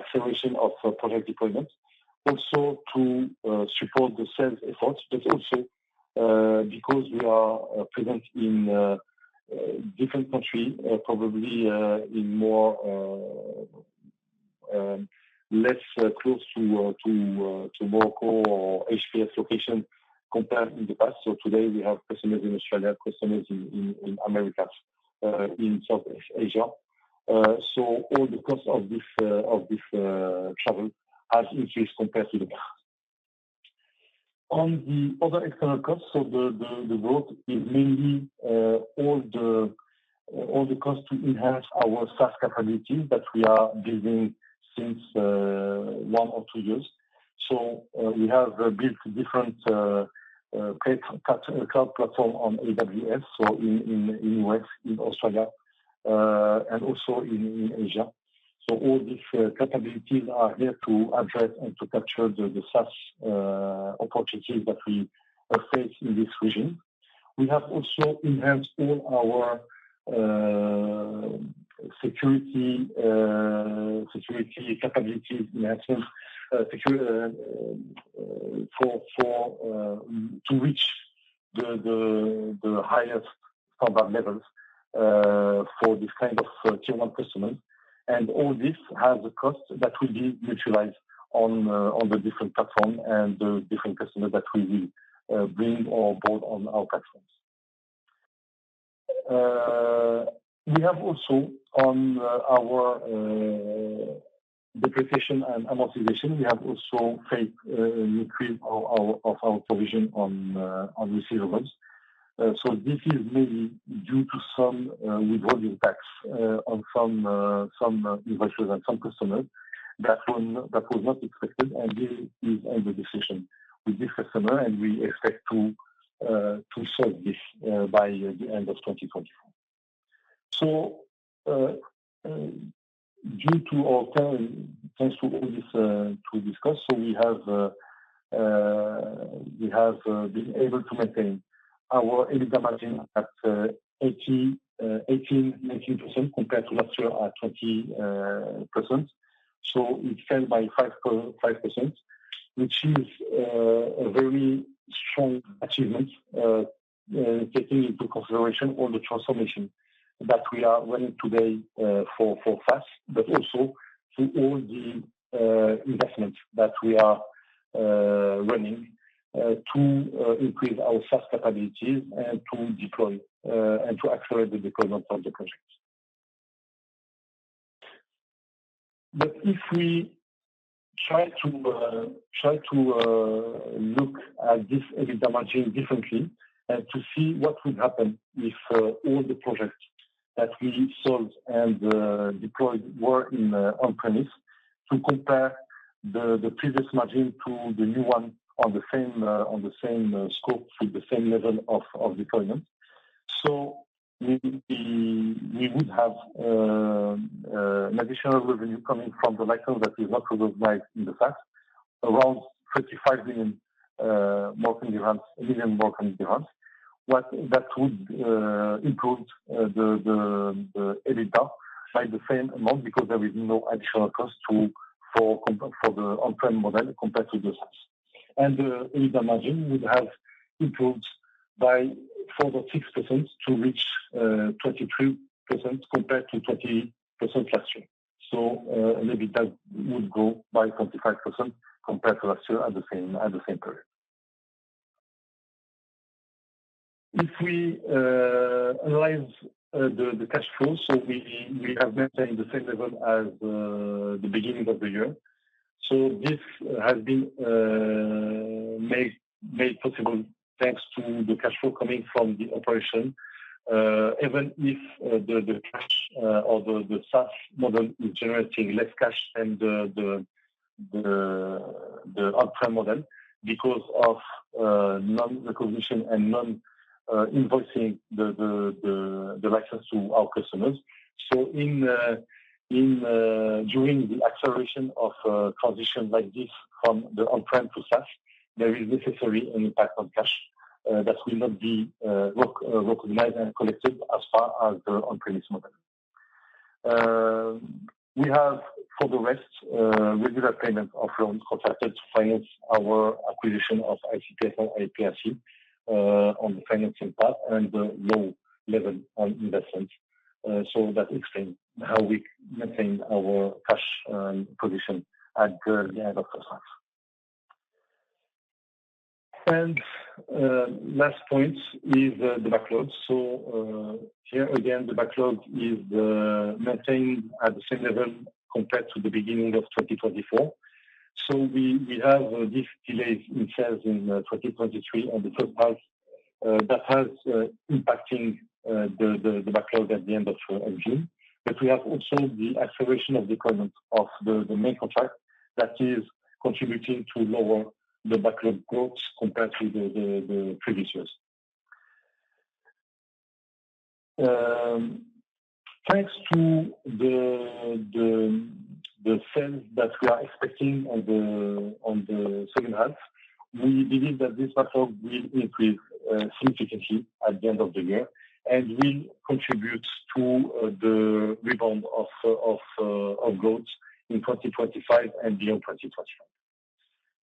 acceleration of product deployment. Also to support the sales efforts, but also because we are present in different countries, probably in more or less close to Morocco or HPS location compared to the past. So today we have customers in Australia, customers in the Americas, in South Asia. So all the costs of this travel has increased compared to the past. On the other external costs, so the growth is mainly all the costs to enhance our SaaS capabilities that we are building since one or two years. So we have built different cloud platform on AWS, so in the US, in Australia, and also in Asia. So all these capabilities are here to address and to capture the SaaS opportunities that we face in this region. We have also enhanced all our security capabilities to reach the highest standard levels for this kind of Tier 1 customers. And all this has a cost that will be neutralized on the different platform and the different customers that we will bring on board on our platforms. We have also, on our depreciation and amortization, we have also taken increase of our provision on receivables. So this is mainly due to some withholding tax on some investors and some customers. That was not expected, and this is on the decision with this customer, and we expect to solve this by the end of twenty twenty-four. So due to our time, thanks to all this to discuss, so we have been able to maintain our EBITDA margin at 18%-19% compared to last year at 20%. So it fell by 5.5%, which is a very strong achievement taking into consideration all the transformation that we are running today for SaaS, but also through all the investments that we are running to increase our SaaS capabilities and to deploy and to accelerate the deployment of the projects. But if we try to look at this EBITDA margin differently, and to see what would happen if all the projects that we sold and deployed were in on-premise, to compare the previous margin to the new one on the same scope with the same level of deployment. So we would have an additional revenue coming from the license that is not recognized in fact, around MAD 35 million more in advance. What that would improve the EBITDA by the same amount, because there is no additional cost for the on-premise model compared to the SaaS. And the EBITDA margin would have improved by 4 or 6% to reach 23% compared to 20% last year. So, EBITDA would go by 25% compared to last year at the same period. If we analyze the cash flow, so we have maintained the same level as the beginning of the year. So this has been made possible thanks to the cash flow coming from the operation. Even if the cash or the SaaS model is generating less cash than the on-prem model because of non-recognition and non-invoicing the license to our customers. So in during the acceleration of transition like this from the on-prem to SaaS, there is necessary an impact on cash that will not be recognized and collected as far as the on-premise model. We have, for the rest, regular payment of loans contracted to finance our acquisition of ICPS and IPRC, on the financing part and the low level on investments. So that explains how we maintain our cash position at the end of the H1. Last point is the backlogs. Here again, the backlog is maintained at the same level compared to the beginning of 2024. We have this delay in sales in 2023 on the H1 that has impacting the backlog at the end of June. But we have also the acceleration of deployment of the main contract that is contributing to lower the backlog growth compared to the previous years. Thanks to the sales that we are expecting on the H2, we believe that this backlog will increase significantly at the end of the year and will contribute to the rebound of growth in 2025 and beyond 2025.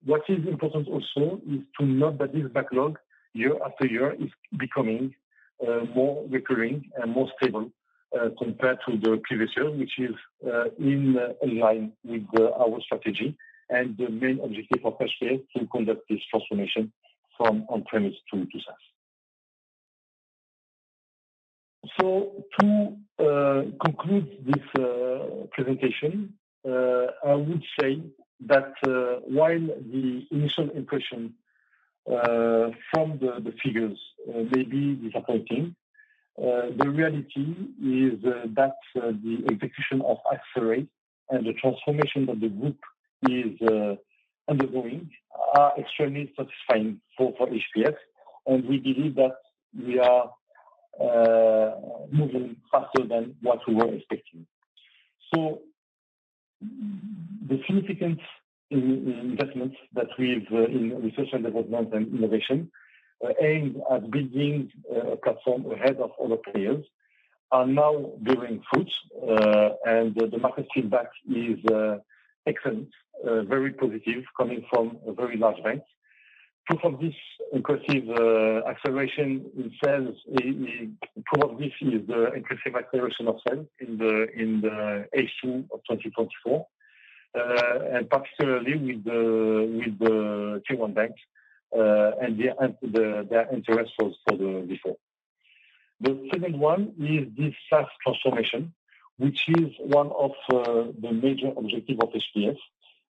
What is important also is to note that this backlog, year after year, is becoming more recurring and more stable compared to the previous year, which is in line with our strategy and the main objective of HPS to conduct this transformation from on-premise to SaaS. So, to conclude this presentation, I would say that while the initial impression from the figures may be disappointing, the reality is that the execution of Accelerate and the transformation that the group is undergoing are extremely satisfying for HPS. And we believe that we are moving faster than what we were expecting. So the significant investments that we've in research and development and innovation aimed at building a platform ahead of other players are now bearing fruit, and the market feedback is excellent, very positive, coming from very large banks. Proof of this inclusive acceleration in sales is the increasing acceleration of sales in the H2 of twenty twenty-four, and particularly with the Tier 1 banks, and their interest for the PowerCARD Version 4. The second one is this SaaS transformation, which is one of the major objective of HPS,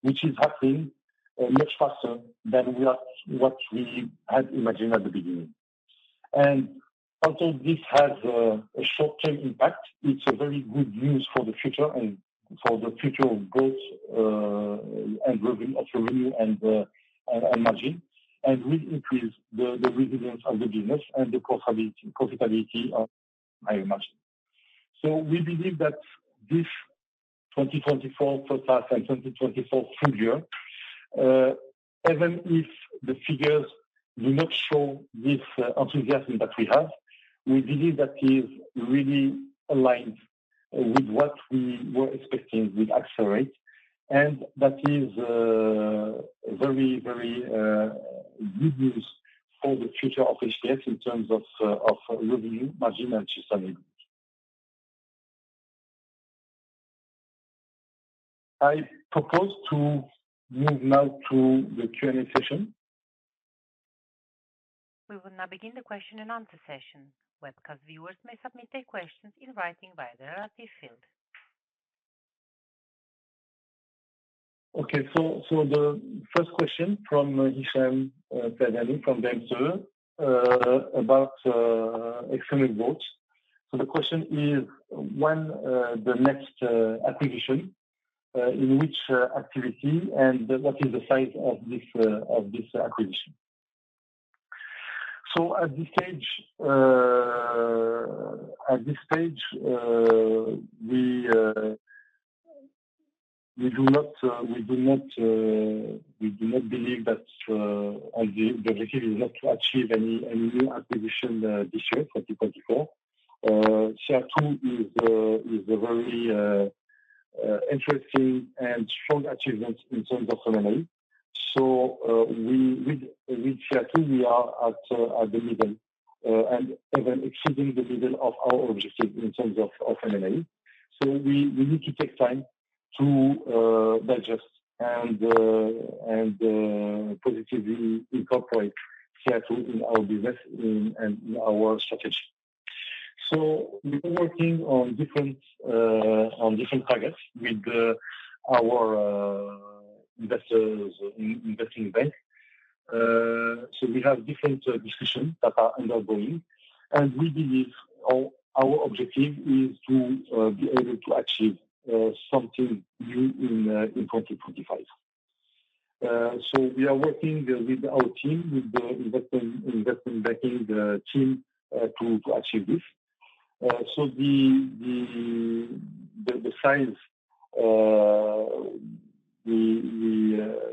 which is happening much faster than what we had imagined at the beginning. And although this has a short-term impact, it's a very good news for the future and for the future of growth, and revenue opportunity and margin. And will increase the resilience of the business and the profitability of higher margin. So we believe that this twenty twenty-four H1 and twenty twenty-four full year-... Even if the figures do not show this enthusiasm that we have, we believe that is really aligned with what we were expecting with our rate, and that is very, very good news for the future of HPS in terms of revenue, margin, and sustainability. I propose to move now to the Q&A session. We will now begin the question and answer session. Webcast viewers may submit their questions in writing via the relevant field. Okay, so the first question from Hisham from Bankster about external growth. So the question is, when the next acquisition in which activity, and what is the size of this acquisition? So at this stage we do not believe that the objective is not to achieve any new acquisition this year, twenty twenty-four. CR2 is a very interesting and strong achievement in terms of M&A. So with CR2, we are at the level and even exceeding the level of our objective in terms of M&A. We need to take time to digest and positively incorporateCR2 in our business and in our strategy. We are working on different targets with our investors, investment bank. We have different discussions that are undergoing, and we believe our objective is to be able to achieve something new in 2025. We are working with our team, with the investment banking team, to achieve this. The size we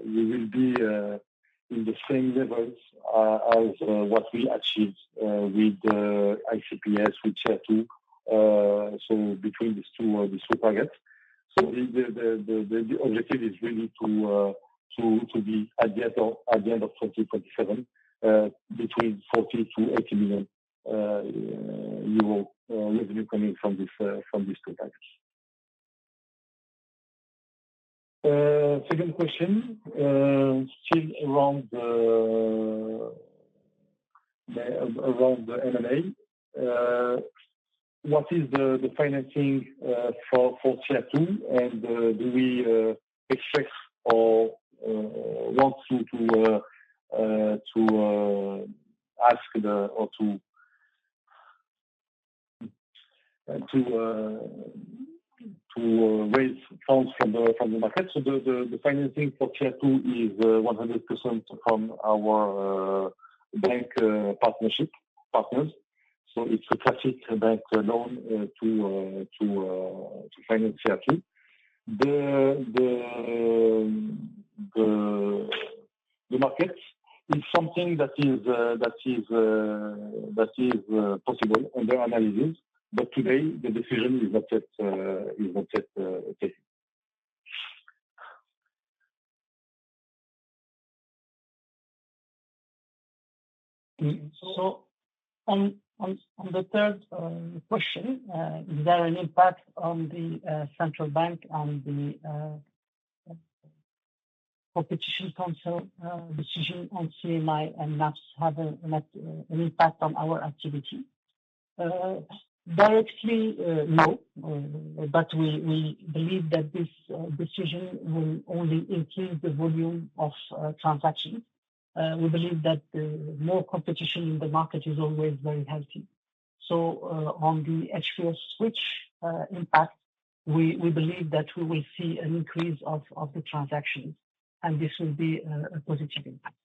will be in the same levels as what we achieved with ICPS, withCR2, so between these two targets. So the objective is really to be at the end of twenty twenty-seven, between 40 million to 80 million euro revenue coming from these two targets. Second question, still around the M&A. What is the financing for CR2, and do we expect or want to raise funds from the market? So the financing for CR2 is 100% from our bank partnership partners. So it's a classic bank loan to finance CR2. The market is something that is possible under analysis, but today the decision is not yet taken. On the third question, is there an impact on the central bank, on the competition council decision on CMI and not have an impact on our activity? Directly, no, but we believe that this decision will only increase the volume of transactions. We believe that more competition in the market is always very healthy. On the acquirer switch impact, we believe that we will see an increase of the transactions, and this will be a positive impact.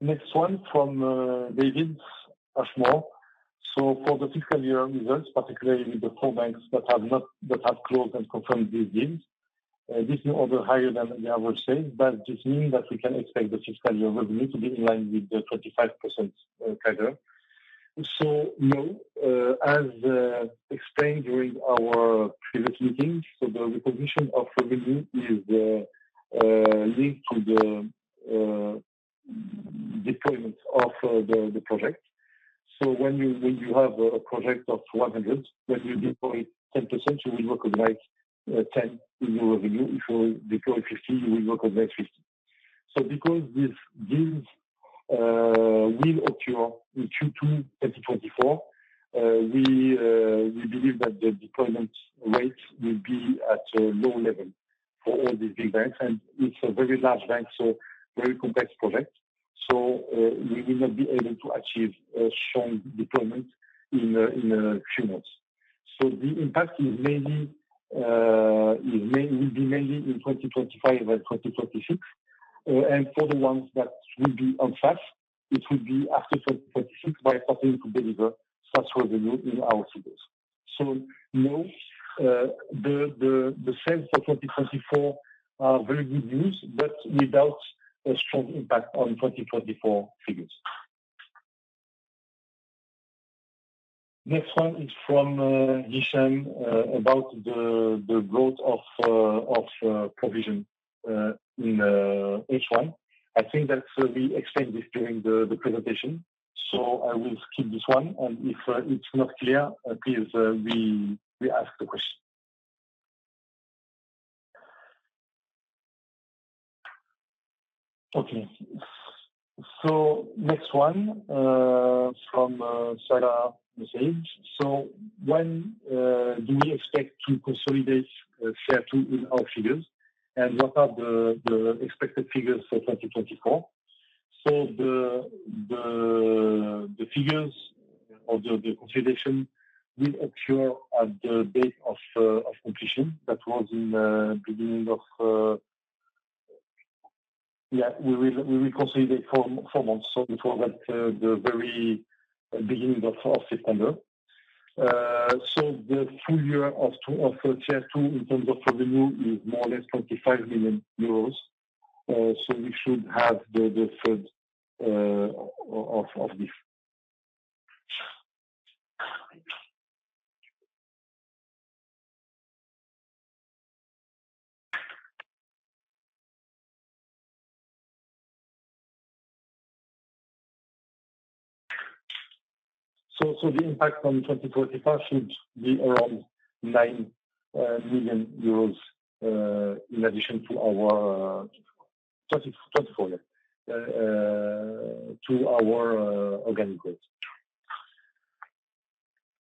Next one from David Ashmore. So for the fiscal year results, particularly the four banks that have closed and confirmed these deals, this new order higher than the average SaaS, but this means that we can expect the fiscal year revenue to be in line with the 25% CAGR. So no, as explained during our previous meetings, so the recognition of revenue is linked to the deployment of the project. So when you have a project of 100, when you deploy 10%, you will recognize 10% new revenue. If you deploy 50, you will recognize 50. So because these deals will occur in Q2 2024, we believe that the deployment rate will be at a low level for all these big banks, and it's a very large bank, so very complex project. So we will not be able to achieve a strong deployment in three months. So the impact will be mainly in 2025 and 2026. And for the ones that will be on SaaS, it will be after 2026 by starting to deliver such revenue in our figures. So no, the sales for 2024 are very good news, but without a strong impact on 2024 figures. Next one is from Hisham, about the growth of provision in H1. I think that we explained this during the presentation, so I will skip this one, and if it's not clear, please re-ask the question. Okay. Next one from Sarah's Message. When do we expect to consolidate CR2 in our figures? And what are the expected figures for 2024? The figures of the consolidation will occur at the date of completion. That was in the beginning of... Yeah, we will consolidate four months, so before that, the very beginning of September. The full year of CR2 in terms of revenue is more or less 25 million euros. We should have the third of this. So the impact on 2024 should be around 9 million euros in addition to our 2024 organic growth.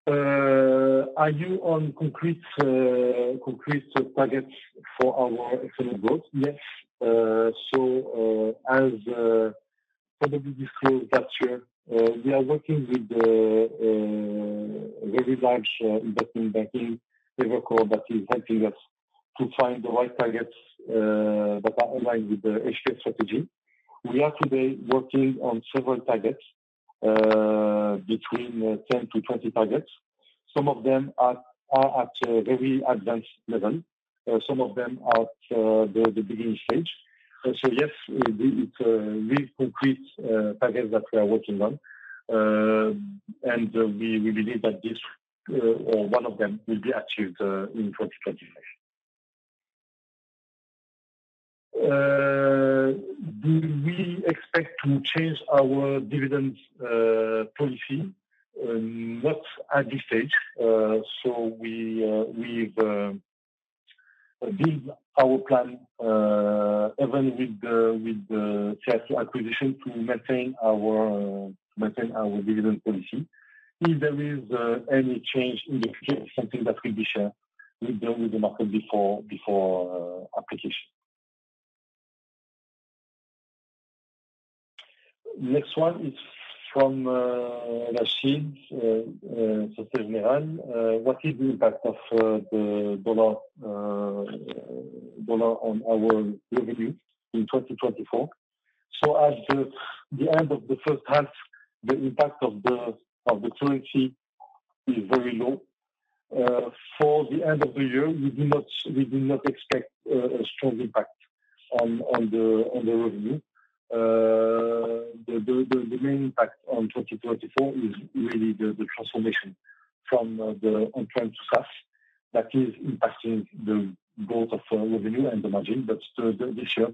Do we have concrete targets for our external growth? Yes. So, as probably disclosed last year, we are working with the very large investment banking network that is helping us to find the right targets that are aligned with the HPS strategy. We are today working on several targets between 10 to 20 targets. Some of them are at a very advanced level, some of them at the beginning stage. So yes, it is real concrete targets that we are working on. And we believe that this or one of them will be achieved in 2025. Do we expect to change our dividend policy? Not at this stage. So we have built our plan even with the CR2 acquisition to maintain our dividend policy. If there is any change in the future, something that will be shared with the market before application. Next one is from Rashid, Société Générale. What is the impact of the dollar on our revenue in 2024? So at the end of the H1, the impact of the currency is very low. For the end of the year, we do not expect a strong impact on the revenue. The main impact on twenty twenty-four is really the transformation from the on-prem to SaaS that is impacting the growth of revenue and the margin. But this year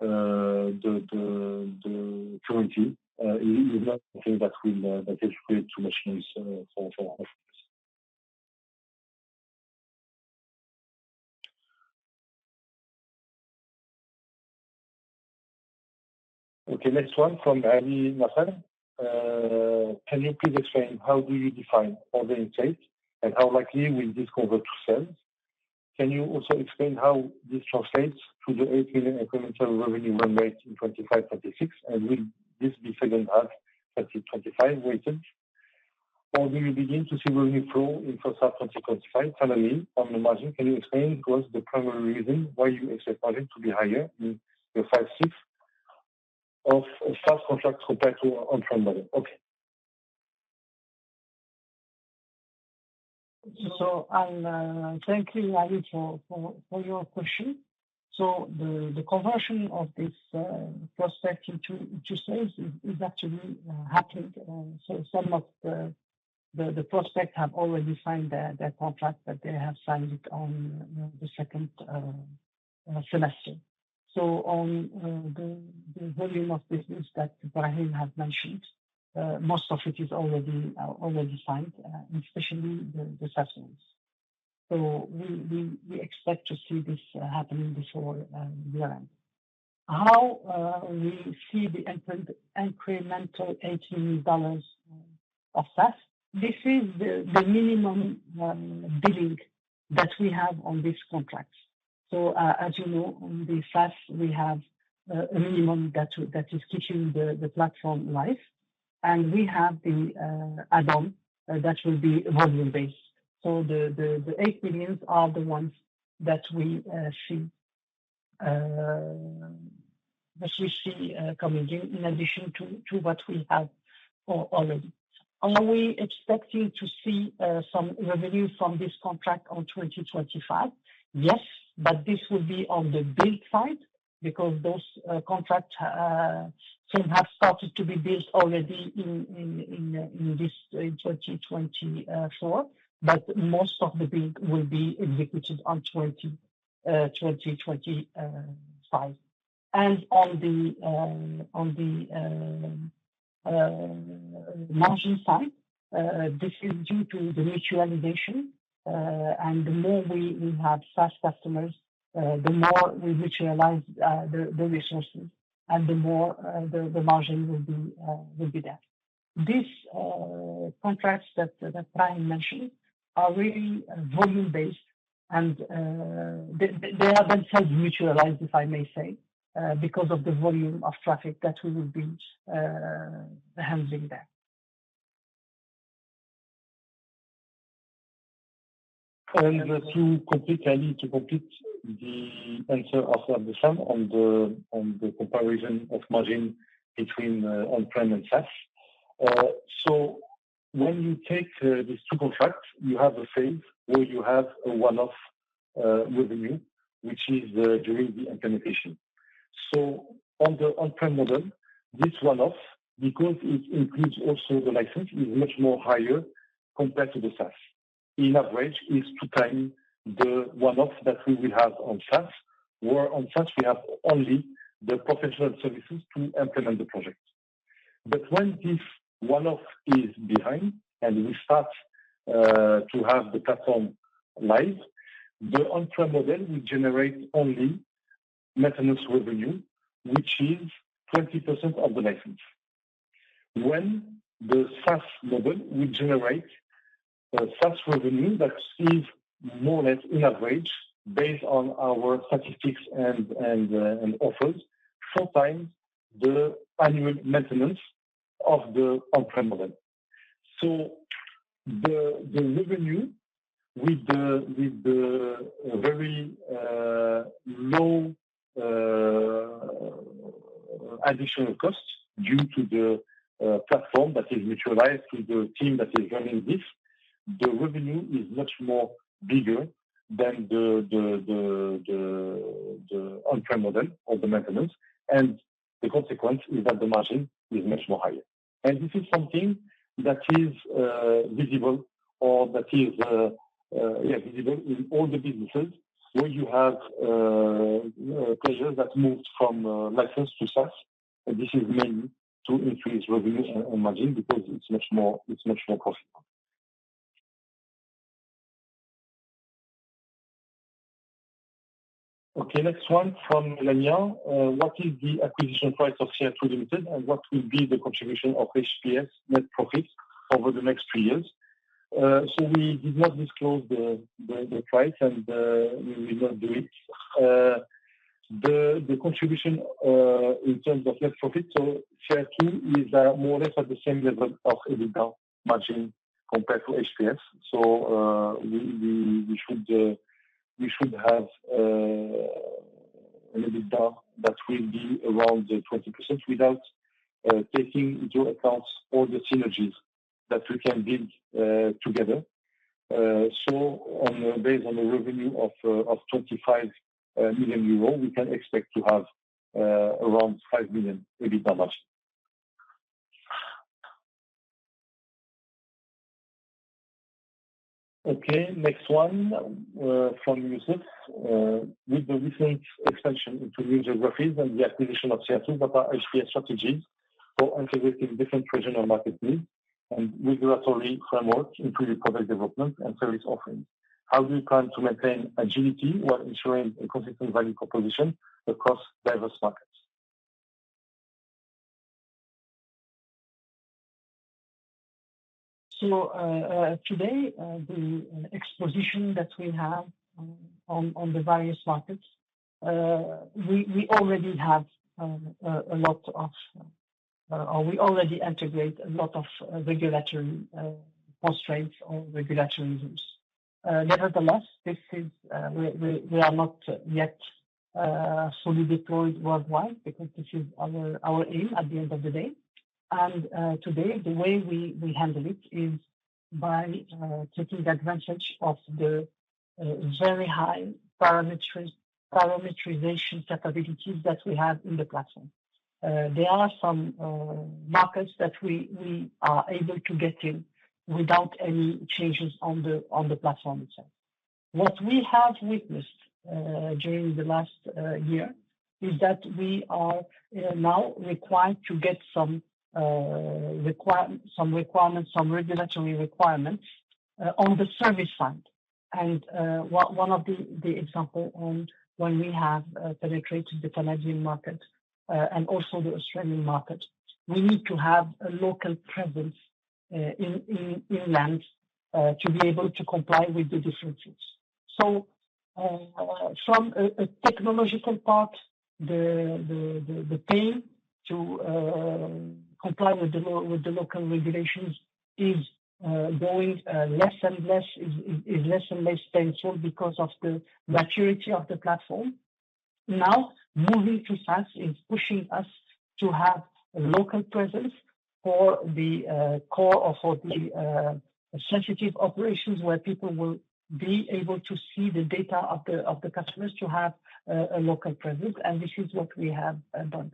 the currency is not something that will create too much noise for us. Okay, next one from Ali Nasser. Can you please explain how do you define order intake, and how likely will this convert to sales? Can you also explain how this translates to the 8 million incremental revenue run rate in 2025, 2026? And will this be H2, 2025 weighted, or do you begin to see revenue flow in for SaaS 2025? Finally, on the margin, can you explain to us the primary reason why you expect margin to be higher in the five, six of SaaS contracts compared to on-prem model? Okay. So I'll thank you, Ali, for your question. The conversion of this prospect into sales is actually happening. So some of the prospects have already signed their contract, but they have signed it on the second semester. So on the volume of business that Brahim has mentioned, most of it is already signed, and especially the SaaS ones. So we expect to see this happening before the end. How we see the incremental $18 million of SaaS? This is the minimum billing that we have on these contracts. So as you know, on the SaaS, we have a minimum that is keeping the platform live. We have the add-on that will be volume-based. So the $8 million are the ones that we see coming in, in addition to what we have already. Are we expecting to see some revenue from this contract in 2025? Yes, but this will be on the build side, because those contract things have started to be built already in this, in 2024. But most of the build will be executed in 2025. On the margin side, this is due to the mutualization. The more we have SaaS customers, the more we mutualize the resources, and the more the margin will be there. These contracts that Brian mentioned are really volume-based, and they are themselves mutualized, if I may say, because of the volume of traffic that we will be handling there. And to complete, I need to complete the answer of Abdeslam on the comparison of margin between on-prem and SaaS. So when you take these two contracts, you have a phase where you have a one-off revenue, which is during the implementation. So on the on-prem model, this one-off, because it includes also the license, is much more higher compared to the SaaS. In average, it's two time the one-off that we will have on SaaS, where on SaaS we have only the professional services to implement the project. But when this one-off is behind and we start to have the platform live, the on-prem model will generate only maintenance revenue, which is 20% of the license. When the SaaS model will generate SaaS revenue, that is more or less in average based on our statistics and offers, four times the annual maintenance of the on-prem model. So the revenue with the very low additional costs due to the platform that is mutualized to the team that is running this, the revenue is much more bigger than the on-prem model of the maintenance, and the consequence is that the margin is much more higher. And this is something that is visible in all the businesses where you have pressure that moves from license to SaaS. And this is mainly to increase revenue and margin, because it's much more profitable. Okay, next one from Lanian. What is the acquisition price of CR2 Limited, and what will be the contribution of HPS net profits over the next three years?" So we did not disclose the price, and we will not do it. The contribution in terms of net profit, so CR2 is more or less at the same level of EBITDA margin compared to HPS. So we should have an EBITDA that will be around 20% without taking into account all the synergies that we can build together. So based on a revenue of 25 million euro, we can expect to have around 5 million EBITDA margin. Okay, next one from Youssef. With the recent expansion into new geographies and the acquisition of CR2, what are HPS strategies for integrating different regional market needs and regulatory framework, improving product development and service offering? How do you plan to maintain agility while ensuring a consistent value proposition across diverse markets? Today, the exposure that we have on the various markets, we already integrate a lot of regulatory constraints or regulatory rules. Nevertheless, we are not yet fully deployed worldwide, because this is our aim at the end of the day. Today, the way we handle it is by taking advantage of the very high parameterization capabilities that we have in the platform. There are some markets that we are able to get in without any changes on the platform itself. What we have witnessed during the last year is that we are now required to get some requirements, some regulatory requirements on the service side, and one of the examples when we have penetrated the Canadian market and also the Australian market is that we need to have a local presence inland to be able to comply with the differences. From a technological part, the pain to comply with the local regulations is less and less painful because of the maturity of the platform. Now, moving to SaaS is pushing us to have a local presence for the core or for the sensitive operations, where people will be able to see the data of the customers to have a local presence, and this is what we have done.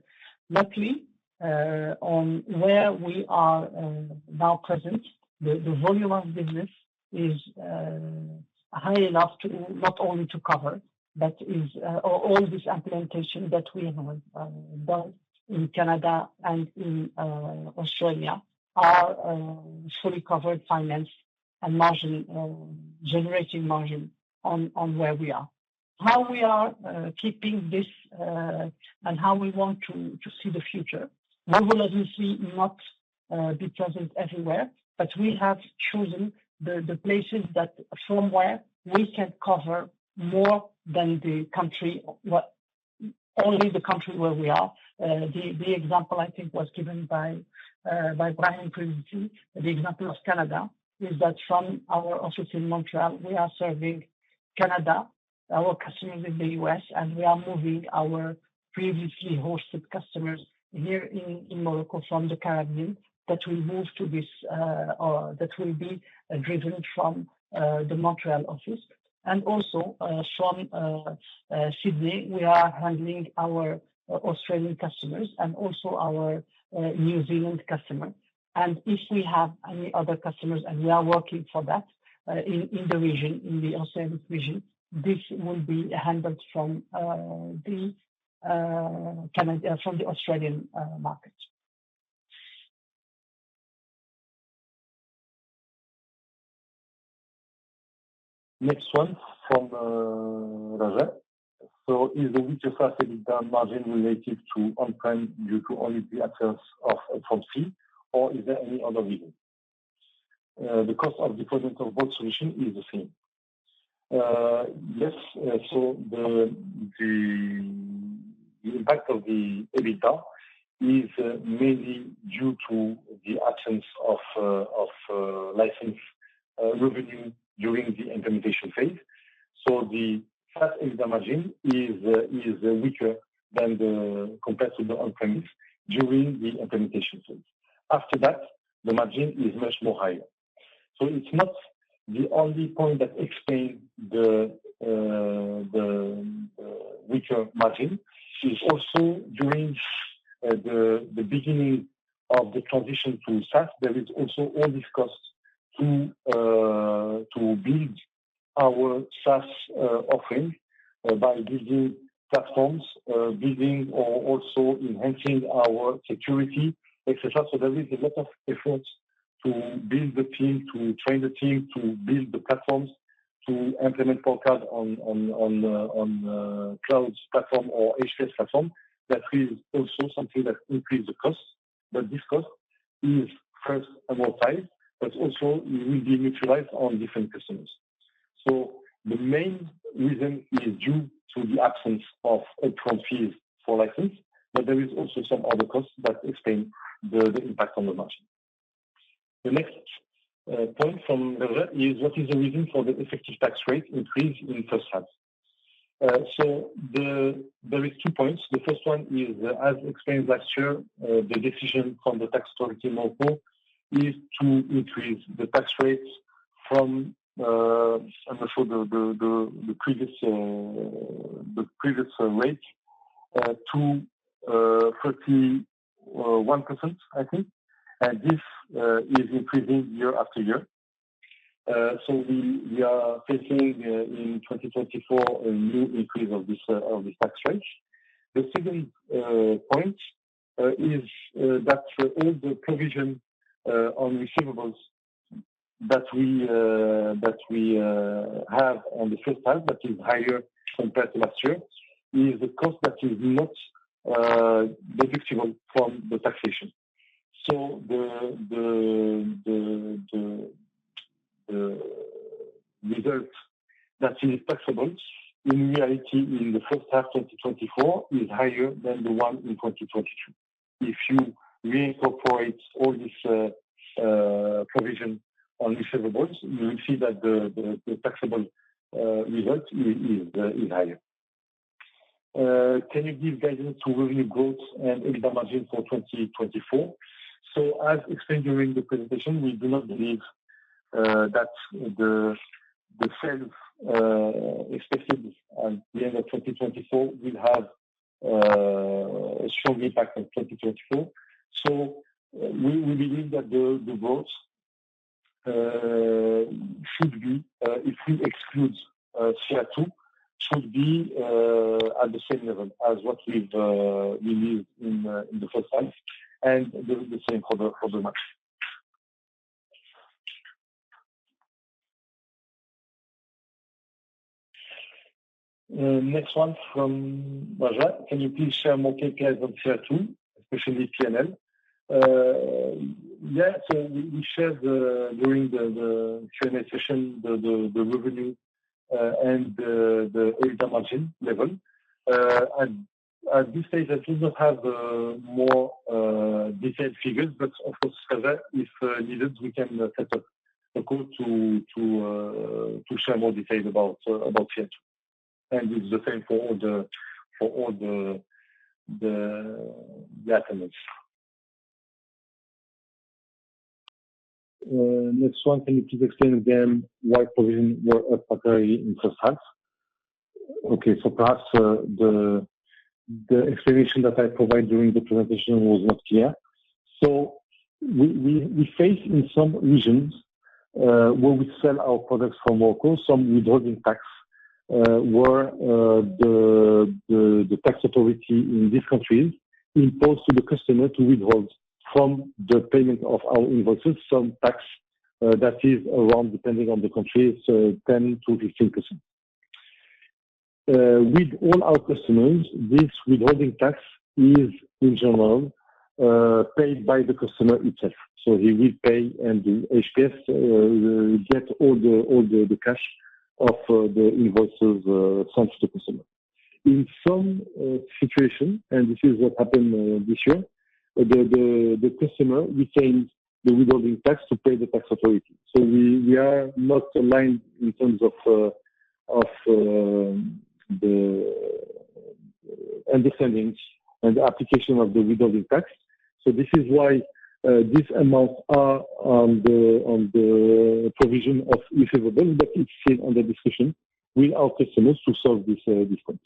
Luckily, on where we are now present, the volume of business is high enough to not only cover, but is... All this implementation that we have done in Canada and in Australia are fully covered finance and margin, generating margin on where we are. How we are keeping this and how we want to see the future? We will obviously not be present everywhere, but we have chosen the places that from where we can cover more than the country, only the country where we are. The example I think was given by Brian previously, the example of Canada, is that from our office in Montreal, we are serving Canada, our customers in the U.S., and we are moving our previously hosted customers here in Morocco from the Caribbean. That will move to this, that will be driven from the Montreal office. And also, from Sydney, we are handling our Australian customers and also our New Zealand customer. And if we have any other customers, and we are working for that, in the region, in the Australian region, this will be handled from the Canada... From the Australian market. Next one from Raja. So is the weaker SaaS EBITDA margin related to on-prem due to only the absence of upfront fee, or is there any other reason? The cost of deployment of both solutions is the same. Yes, so the impact of the EBITDA is mainly due to the absence of license revenue during the implementation phase. So the SaaS EBITDA margin is weaker than the comparable on-premise during the implementation phase. After that, the margin is much more higher. So it's not the only point that explain the weaker margin. It's also during the beginning of the transition to SaaS, there is also all this cost to build our SaaS offering by building platforms, building or also enhancing our security, et cetera. So there is a lot of efforts to build the team, to train the team, to build the platforms, to implement on cloud platform or HPS platform. That is also something that increase the cost, but this cost is first over time, but also it will be neutralized on different customers. So the main reason is due to the absence of upfront fees for license, but there is also some other costs that explain the impact on the margin. The next point from Raja is: What is the reason for the effective tax rate increase in H1? So there is two points. The first one is, as explained last year, the decision from the tax authority in Morocco is to increase the tax rates from the previous rate to 31%, I think. And this is increasing year after year. So we are facing in 2024 a new increase of this tax rate. The second point is that all the provision on receivables that we have on the H1, that is higher compared to last year, is the cost that is not deductible from the taxation. So the result that is taxable in reality in the H1 2024 is higher than the one in 2022. If you reincorporate all this provision on receivables, you will see that the taxable result is higher. Can you give guidance to revenue growth and EBITDA margin for twenty twenty-four? So as explained during the presentation, we do not believe that the sales expected at the end of twenty twenty-four will have a strong impact on twenty twenty-four. So we believe that the growth should be, if we exclude CR2, at the same level as what we've delivered in the H1, and the same for the margin. Next one from Raja. Can you please share more KPIs on Tier 2, especially PNL? Yeah, so we shared during the Q&A session the revenue and the EBITDA margin level. At this stage, I do not have more detailed figures, but of course, if needed, we can set up a call to share more details about CR2, and it's the same for all the items. Next one, can you please explain again why provisions were up quarterly in H1? Okay, so perhaps the explanation that I provided during the presentation was not clear. So we face in some regions where we sell our products from local some withholding tax where the tax authority in these countries impose to the customer to withhold from the payment of our invoices some tax that is around depending on the country it's 10%-15%. With all our customers, this withholding tax is in general paid by the customer itself. So he will pay, and the HPS will get all the cash of the invoices from the customer. In some situation, and this is what happened this year, the customer retained the withholding tax to pay the tax authority. So we are not aligned in terms of the understandings and the application of the withholding tax. So this is why this amounts are on the provision of receivables, but it's still under discussion with our customers to solve this difference.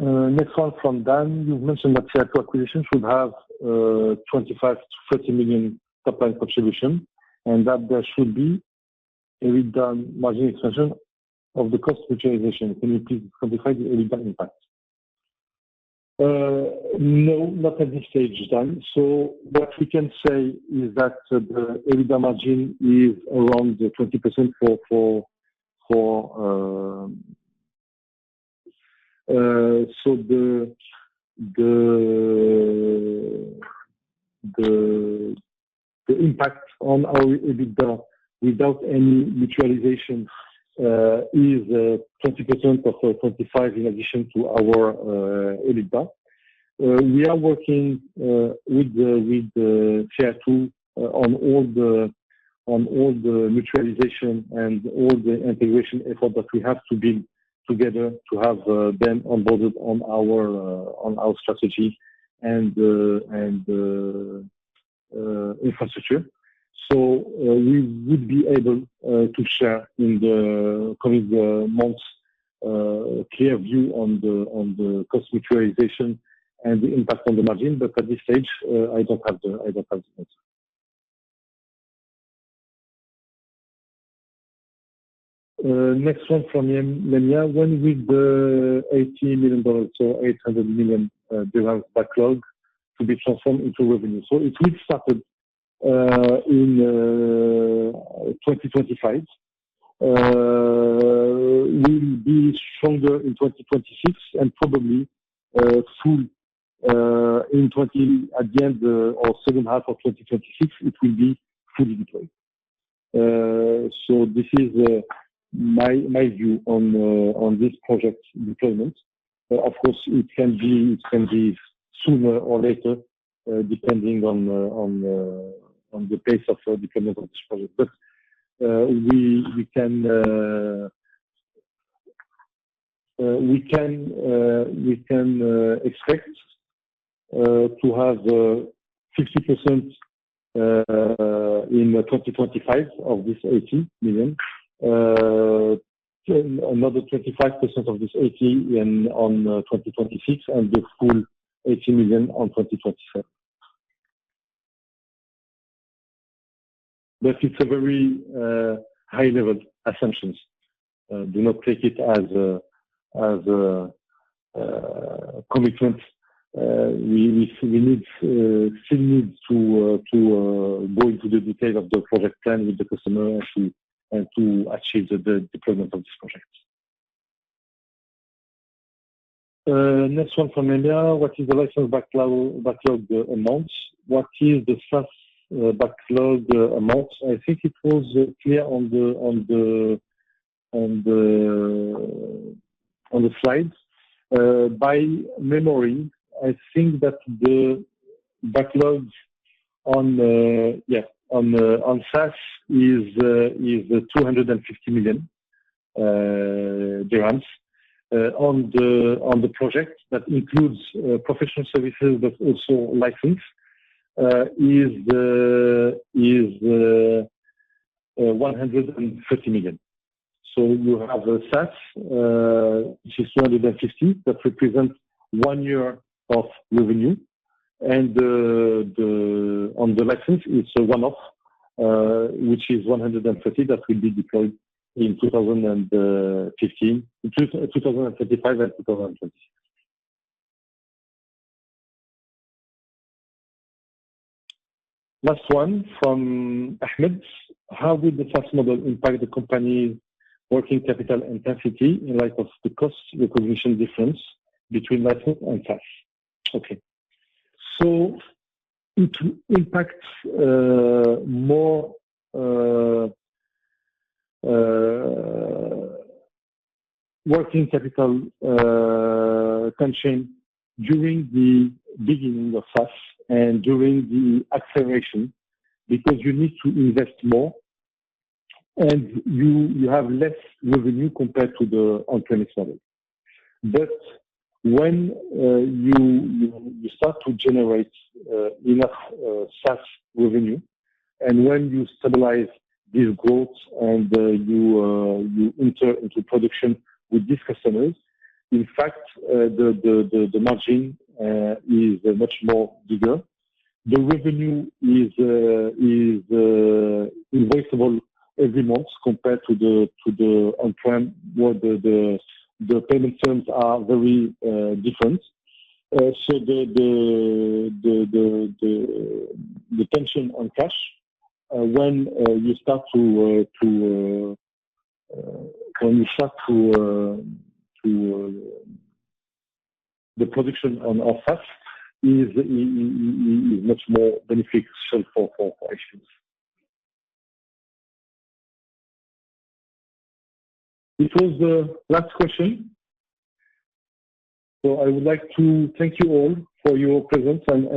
Next one from Dan. You've mentioned that Tier 2 acquisitions should have 25-30 million top line contribution, and that there should be an EBITDA margin expansion of the cost virtualization. Can you please quantify the EBITDA impact? No, not at this stage, Dan. So what we can say is that the EBITDA margin is around the 20% for. So the impact on our EBITDA without any mutualization is 20% of 25 in addition to our EBITDA. We are working with the Tier 2 on all the mutualization and all the integration effort that we have to build together to have them onboarded on our strategy and infrastructure. So we would be able to share in the coming months clear view on the cost mutualization and the impact on the margin. But at this stage, I don't have the answer. Next one from Yemia. When will the $80 million, so MAD 800 million backlog be transformed into revenue? So it will started in 2025. Will be stronger in 2026 and probably full in twenty... At the end or H2 of 2026, it will be fully deployed. So this is my view on this project deployment. Of course, it can be sooner or later, depending on the pace of development of this project. But we can expect to have 60% in 2025 of this $80 million. Another 25% of this $80 million in 2026, and the full $80 million in 2025. But it's a very high-level assumptions. Do not take it as a commitment. We still need to go into the detail of the project plan with the customer and to achieve the deployment of this project. Next one from Emilia. What is the license backlog amounts? What is the SaaS backlog amounts? I think it was clear on the slides. From memory, I think that the backlogs on SaaS is MAD 250 million. On the project that includes professional services, but also license is MAD 150 million. So you have a SaaS which is two hundred and fifty that represents one year of revenue, and on the license it's a one-off which is one hundred and fifty that will be deployed in two thousand and fifteen in twenty thirty-five and twenty thirty-six. Last one from Ahmed. How will the SaaS model impact the company's working capital intensity in light of the cost recognition difference between license and SaaS? Okay. So it impacts more working capital constraint during the beginning of SaaS and during the acceleration, because you need to invest more and you have less revenue compared to the on-premise model. But when you start to generate enough SaaS revenue, and when you stabilize this growth and you enter into production with these customers, in fact, the margin is much more bigger. The revenue is invoice-able every month compared to the on-prem, where the payment terms are very different. So the tension on cash when you start to... The production on our SaaS is much more beneficial for HPS. This was the last question. So I would like to thank you all for your presence, and-